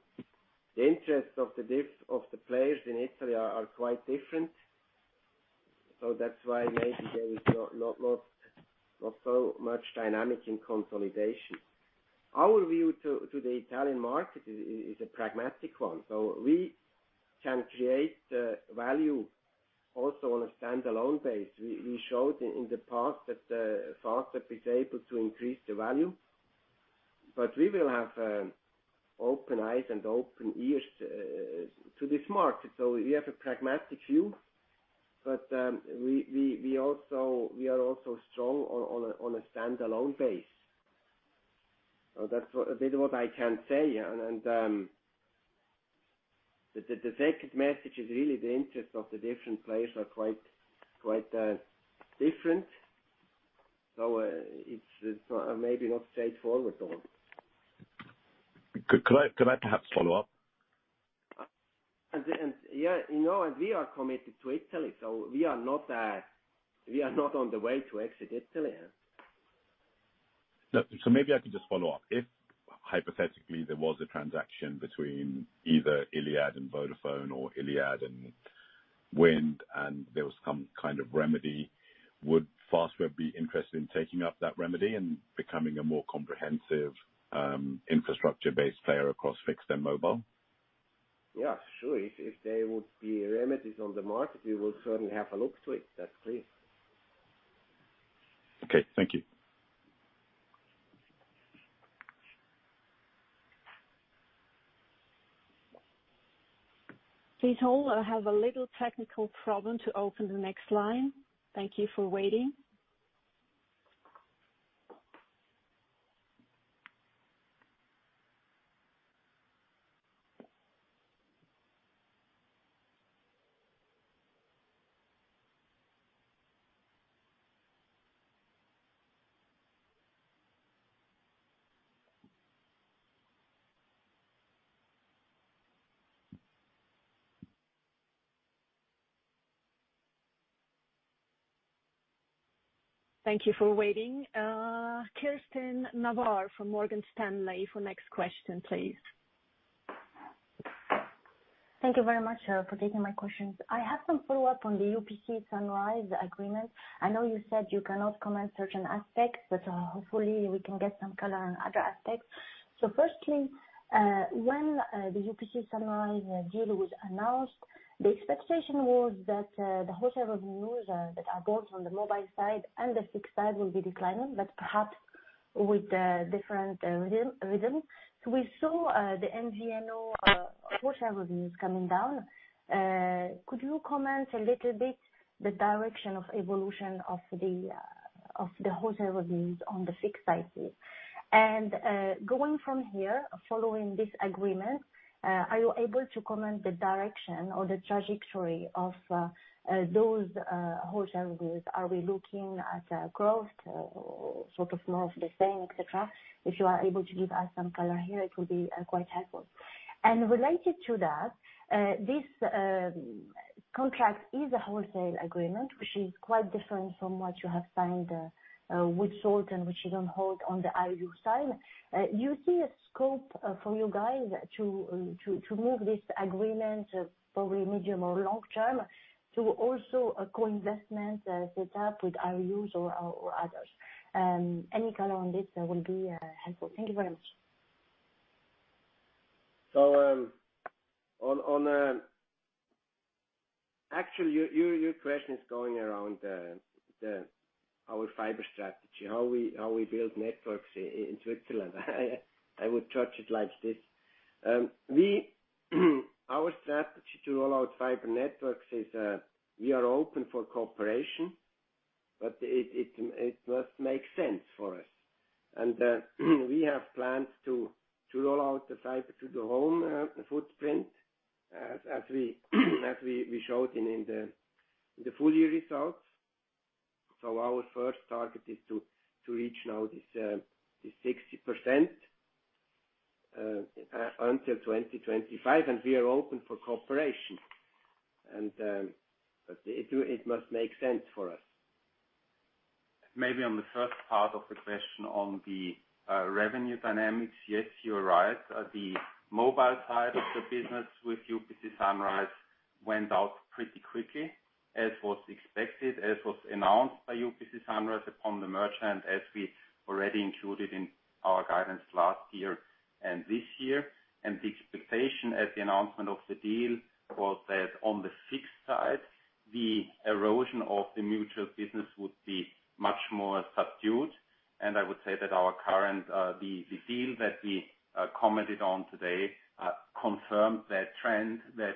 The interests of the players in Italy are quite different. That's why maybe there is not so much dynamic in consolidation. Our view to the Italian market is a pragmatic one. We can create value also on a standalone base. We showed in the past that Fastweb is able to increase the value. But we will have open eyes and open ears to this market. We have a pragmatic view. But we are also strong on a standalone base. That's a bit of what I can say. The second message is really the interest of the different players are quite different. It's maybe not straightforward for them. Could I perhaps follow up? Yeah, you know, and we are committed to Italy, so we are not on the way to exit Italy. Maybe I can just follow up. If hypothetically, there was a transaction between either Iliad and Vodafone or Iliad and Wind, and there was some kind of remedy, would Fastweb be interested in taking up that remedy and becoming a more comprehensive, infrastructure-based player across fixed and mobile? Yeah, sure. If there would be remedies on the market, we will certainly have a look to it. That's clear. Okay. Thank you. Please hold. I have a little technical problem to open the next line. Thank you for waiting. Cristini Nawar from Morgan Stanley for next question, please. Thank you very much for taking my questions. I have some follow-up on the Sunrise UPC agreement. I know you said you cannot comment certain aspects, but hopefully we can get some color on other aspects. Firstly, when the Sunrise UPC deal was announced, the expectation was that the wholesale revenues that are both on the mobile side and the fixed side will be declining, but perhaps with a different rhythm. We saw the MVNO wholesale revenues coming down. Could you comment a little bit the direction of evolution of the wholesale revenues on the fixed side here? Going from here, following this agreement, are you able to comment the direction or the trajectory of those wholesale revenues? Are we looking at growth or sort of more of the same, et cetera? If you are able to give us some color here, it will be quite helpful. Related to that, this contract is a wholesale agreement which is quite different from what you have signed with Salt and which is on hold on the IRU side. Do you see a scope for you guys to move this agreement probably medium or long term to also a co-investment set up with IRUs or others? Any color on this will be helpful. Thank you very much. Actually, your question is going around our fiber strategy, how we build networks in Switzerland. I would touch it like this. Our strategy to roll out fiber networks is we are open for cooperation, but it must make sense for us. We have plans to roll out the fiber to the home footprint as we showed in the full-year results. Our first target is to reach now this 60% until 2025, and we are open for cooperation. But it must make sense for us. Maybe on the first part of the question on the revenue dynamics. Yes, you're right. The mobile side of the business with Sunrise UPC went out pretty quickly, as was expected, as was announced by Sunrise UPC upon the merger, and as we already included in our guidance last year and this year. The expectation at the announcement of the deal was that on the fixed side, the erosion of the mobile business would be much more subdued. I would say that our current deal that we commented on today confirmed that trend, that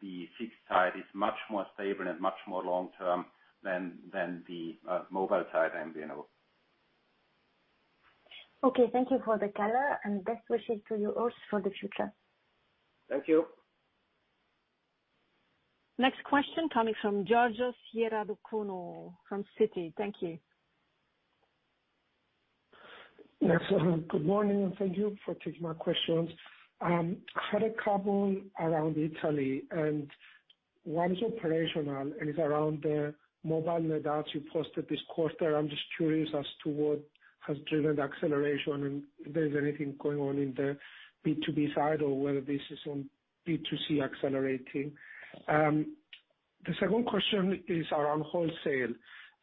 the fixed side is much more stable and much more long term than the mobile side MVNO. Okay. Thank you for the color, and best wishes to you also for the future. Thank you. Next question coming from Georgios Ierodiaconou from Citi. Thank you. Yes. Good morning, and thank you for taking my questions. Had a couple around Italy, and one is operational and is around the mobile net adds you posted this quarter. I'm just curious as to what has driven the acceleration and if there's anything going on in the B2B side or whether this is on B2C accelerating. The second question is around wholesale.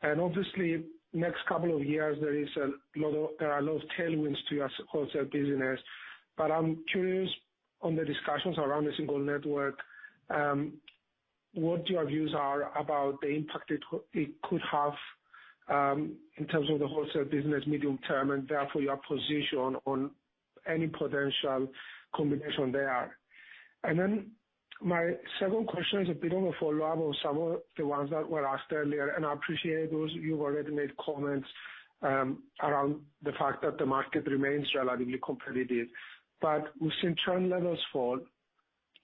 Obviously, next couple of years, there are a lot of tailwinds to your wholesale business. I'm curious on the discussions around the single network, what your views are about the impact it could have, in terms of the wholesale business medium term and therefore your position on any potential combination there. My second question is a bit of a follow-up of some of the ones that were asked earlier, and I appreciate those. You've already made comments around the fact that the market remains relatively competitive. We've seen churn levels fall,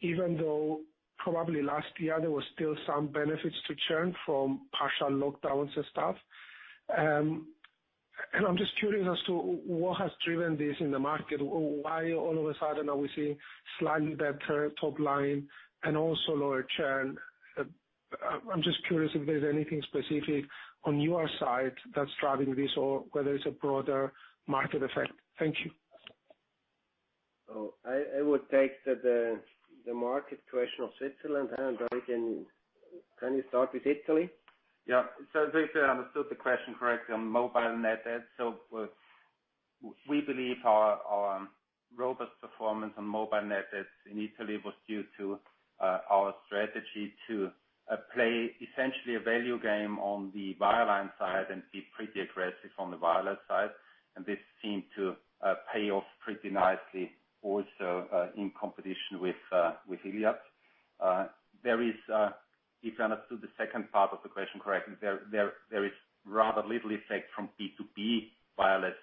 even though probably last year there was still some benefits to churn from partial lockdowns and stuff. I'm just curious as to what has driven this in the market. Why all of a sudden are we seeing slightly better top line and also lower churn? I'm just curious if there's anything specific on your side that's driving this or whether it's a broader market effect. Thank you. I would take the market question of Switzerland, and Eugen, can you start with Italy? Yeah. If I understood the question correctly on mobile net adds. We believe our robust performance on mobile net adds in Italy was due to our strategy to play essentially a value game on the wireline side and be pretty aggressive on the wireless side. This seemed to pay off pretty nicely also in competition with Iliad. If I understood the second part of the question correctly, there is rather little effect from B2B wireless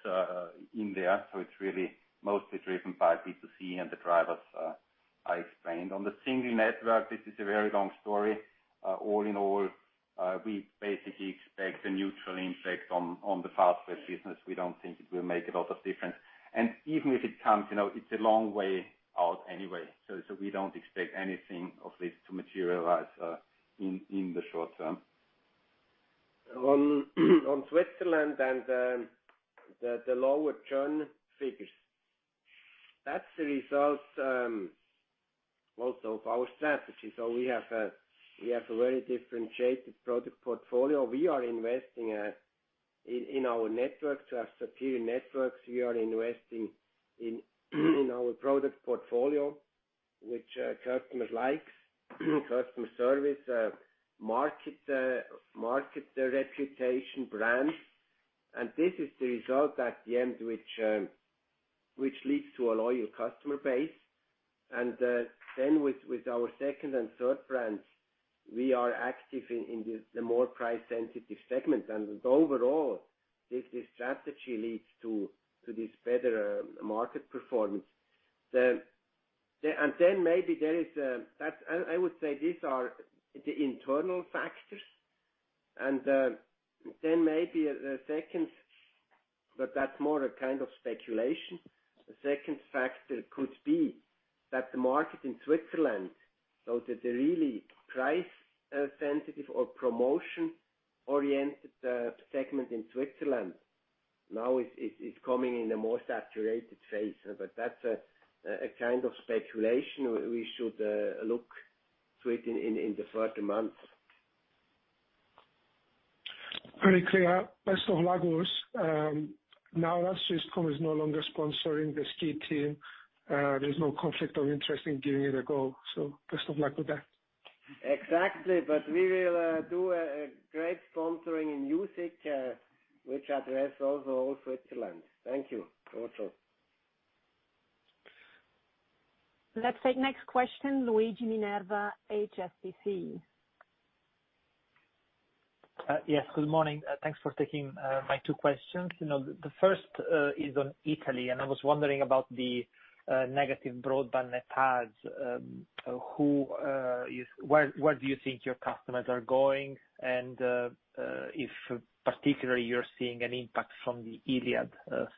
in there, so it's really mostly driven by B2C and the drivers I explained. On the single network, this is a very long story. All in all, we basically expect a neutral impact on the Fastweb business. We don't think it will make a lot of difference. Even if it comes, you know, it's a long way out anyway, so we don't expect anything of this to materialize in the short term. On Switzerland and the lower churn figures. That's the result also of our strategy. We have a very differentiated product portfolio. We are investing in our network to have superior networks. We are investing in our product portfolio, which customers likes. Customer service, market reputation brands. This is the result at the end, which leads to a loyal customer base. With our second and third brands, we are active in the more price-sensitive segments. Overall, this strategy leads to this better market performance. Maybe there is, that's I would say these are the internal factors. Maybe a second, but that's more a kind of speculation. The second factor could be that the market in Switzerland, so that the really price sensitive or promotion-oriented segment in Switzerland now is coming in a more saturated phase. That's a kind of speculation we should look to it in the further months. Very clear. Now that Swisscom is no longer sponsoring the ski team, there's no conflict of interest in giving it a go. Best of luck with that. Exactly. We will do a great sponsoring in music, which address also all Switzerland. Thank you. Over to you. Let's take next question, Luigi Minerva, HSBC. Yes. Good morning. Thanks for taking my two questions. You know, the first is on Italy, and I was wondering about the negative broadband net adds. Where do you think your customers are going? And if particularly you're seeing an impact from the Iliad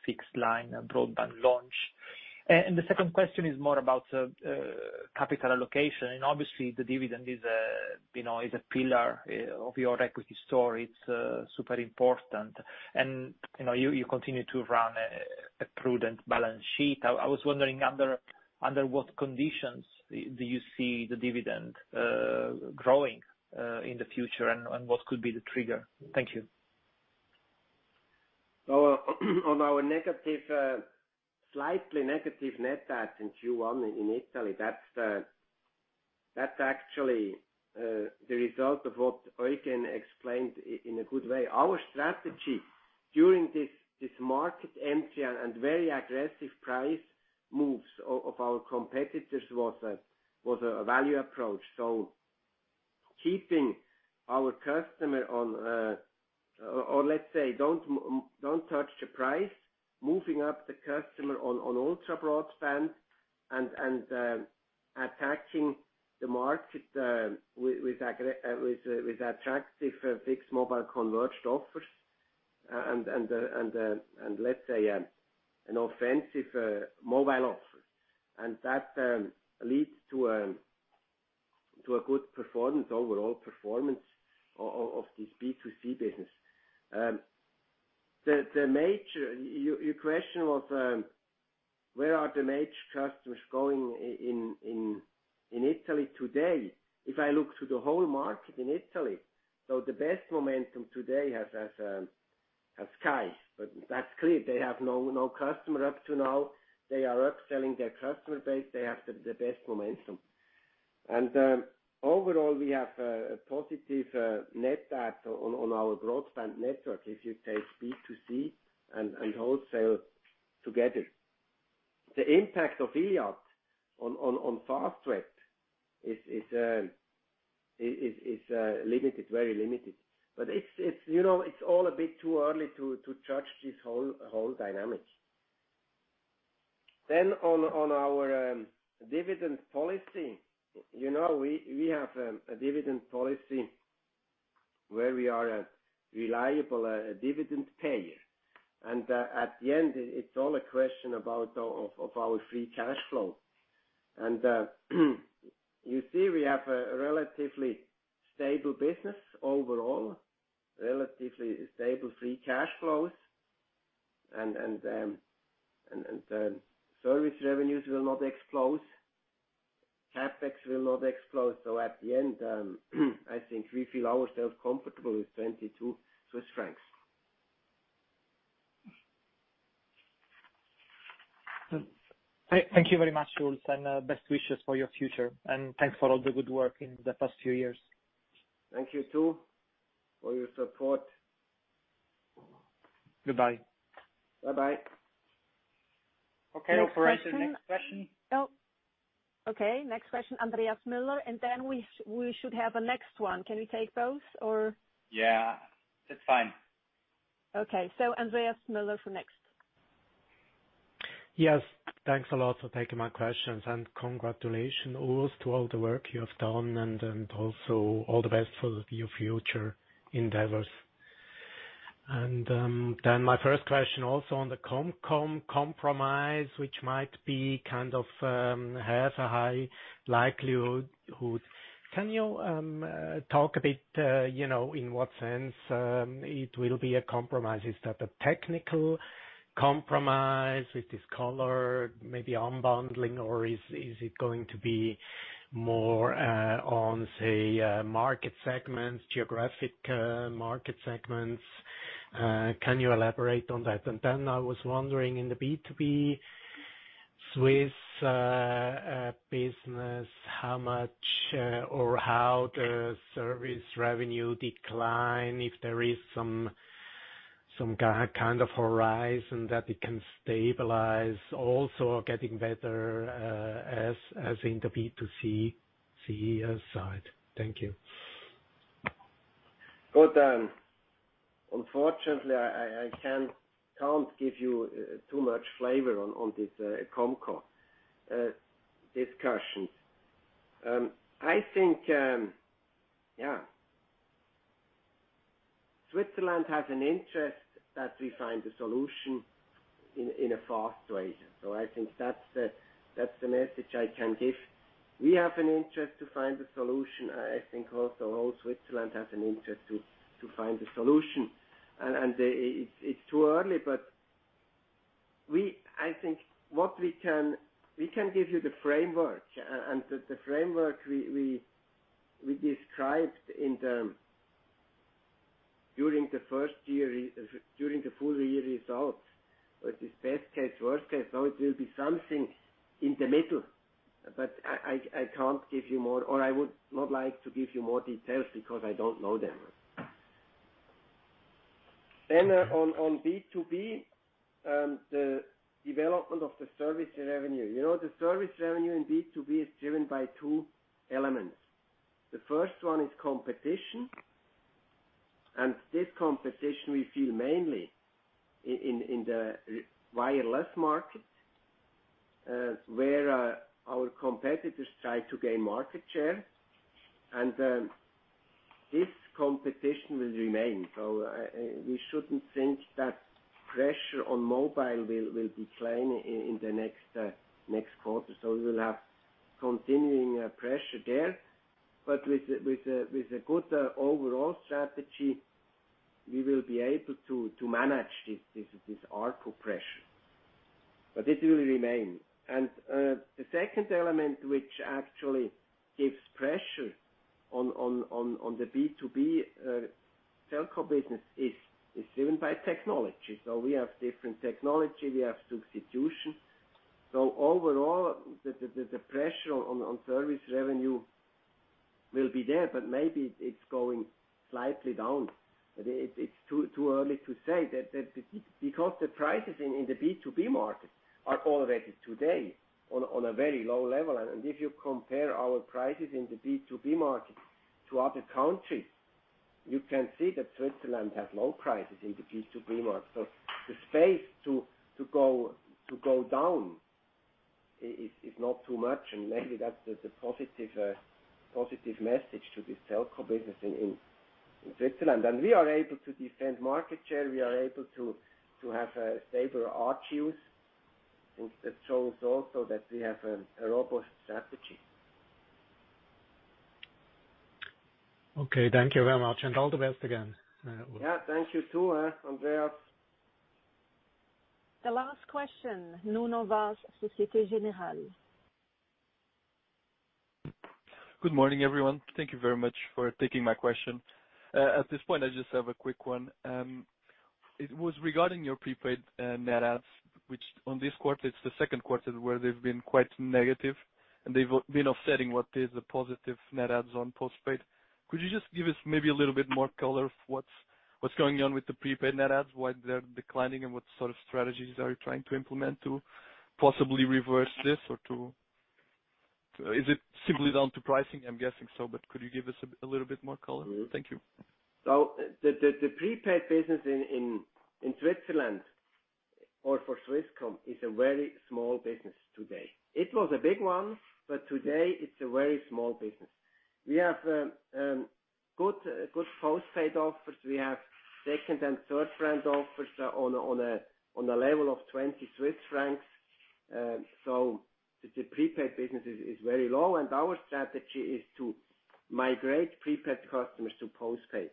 fixed-line broadband launch. The second question is more about capital allocation. Obviously, the dividend is, you know, is a pillar of your equity story. It's super important. You know, you continue to run a prudent balance sheet. I was wondering under what conditions do you see the dividend growing in the future, and what could be the trigger? Thank you. On our negative, slightly negative net add in Q1 in Italy, that's actually the result of what Eugen explained in a good way. Our strategy during this market entry and very aggressive price moves of our competitors was a value approach. Keeping our customer on, or let's say, don't touch the price, moving up the customer on ultra-broadband and attacking the market with attractive fixed mobile converged offers, and let's say, an offensive mobile offer. That leads to a good performance, overall performance of this B2C business. Your question was, where are the major customers going in Italy today? If I look to the whole market in Italy, so the best momentum today has Sky. That's clear. They have no customer up to now. They are upselling their customer base. They have the best momentum. Overall, we have a positive net add on our broadband network, if you take B2C and wholesale together. The impact of Iliad on Fastweb is limited, very limited. It's, you know, it's all a bit too early to judge this whole dynamics. On our dividend policy, you know, we have a dividend policy where we are a reliable dividend payer. At the end it's all a question about our free cash flow. You see we have a relatively stable business overall, relatively stable free cash flows. Service revenues will not explode. CapEx will not explode. At the end, I think we feel ourselves comfortable with 22 Swiss francs. Thank you very much, Urs, and best wishes for your future. Thanks for all the good work in the past few years. Thank you too for your support. Goodbye. Bye-bye. Okay. Operator, next question. Oh. Okay. Next question, Andreas Müller. Then we should have a next one. Can we take both or? Yeah, that's fine. Okay. Andreas Müller for next. Yes. Thanks a lot for taking my questions. Congratulations, Urs, to all the work you have done, and also all the best for your future endeavors. My first question also on the ComCom compromise, which might kind of have a high likelihood. Can you talk a bit, you know, in what sense it will be a compromise? Is that a technical compromise? Is this colo maybe unbundling or is it going to be more on, say, market segments, geographic market segments? Can you elaborate on that? I was wondering in the B2B Swiss business, how much or how the service revenue decline, if there is some kind of horizon that it can stabilize also getting better, as in the B2C side. Thank you. Good. Unfortunately, I can't give you too much flavor on this ComCom discussions. I think. Yeah. Switzerland has an interest that we find a solution in a fast way. I think that's the message I can give. We have an interest to find a solution. I think also all Switzerland has an interest to find a solution. It's too early. I think we can give you the framework. The framework we described during the full year results. It's best case, worst case. It will be something in the middle. I can't give you more or I would not like to give you more details because I don't know them. On B2B, the development of the service revenue. You know, the service revenue in B2B is driven by two elements. The first one is competition. This competition we feel mainly in the wireless market, where our competitors try to gain market share. This competition will remain. We shouldn't think that pressure on mobile will decline in the next quarter. We will have continuing pressure there. With a good overall strategy, we will be able to manage this ARPU pressure. But it will remain. The second element which actually gives pressure on the B2B telco business is driven by technology. We have different technology, we have substitution. Overall, the pressure on service revenue will be there, but maybe it's going slightly down. It's too early to say that because the prices in the B2B market are already today on a very low level. If you compare our prices in the B2B market to other countries, you can see that Switzerland has low prices in the B2B market. The space to go down is not too much. Maybe that's the positive message to this telco business in Switzerland. We are able to defend market share. We are able to have a stable ARPU. I think that shows also that we have a robust strategy. Okay, thank you very much. All the best again, Urs. Yeah, thank you too, Andreas. The last question, Nuno Vaz, Société Générale. Good morning, everyone. Thank you very much for taking my question. At this point I just have a quick one. It was regarding your prepaid net adds, which in this quarter it's the second quarter where they've been quite negative and they've been offsetting what is the positive net adds on postpaid. Could you just give us maybe a little bit more color on what's going on with the prepaid net adds, why they're declining, and what sort of strategies are you trying to implement to possibly reverse this? Or is it simply down to pricing? I'm guessing so, but could you give us a little bit more color? Mm-hmm. Thank you. The prepaid business in Switzerland or for Swisscom is a very small business today. It was a big one, but today it's a very small business. We have good postpaid offers. We have second and third brand offers on a level of 20 Swiss francs. The prepaid business is very low, and our strategy is to migrate prepaid customers to postpaid.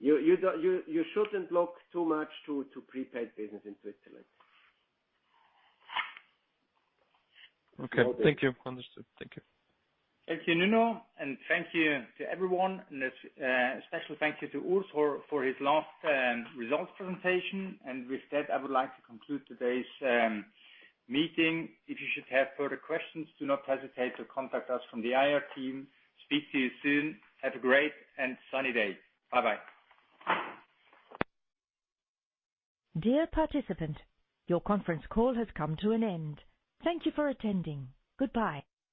You shouldn't look too much to prepaid business in Switzerland. Okay. Thank you. Understood. Thank you. Thank you, Nuno. Thank you to everyone. Special thank you to Urs for his last results presentation. With that, I would like to conclude today's meeting. If you should have further questions, do not hesitate to contact us from the IR team. Speak to you soon. Have a great and sunny day. Bye-bye. Dear participant, your conference call has come to an end. Thank you for attending. Goodbye.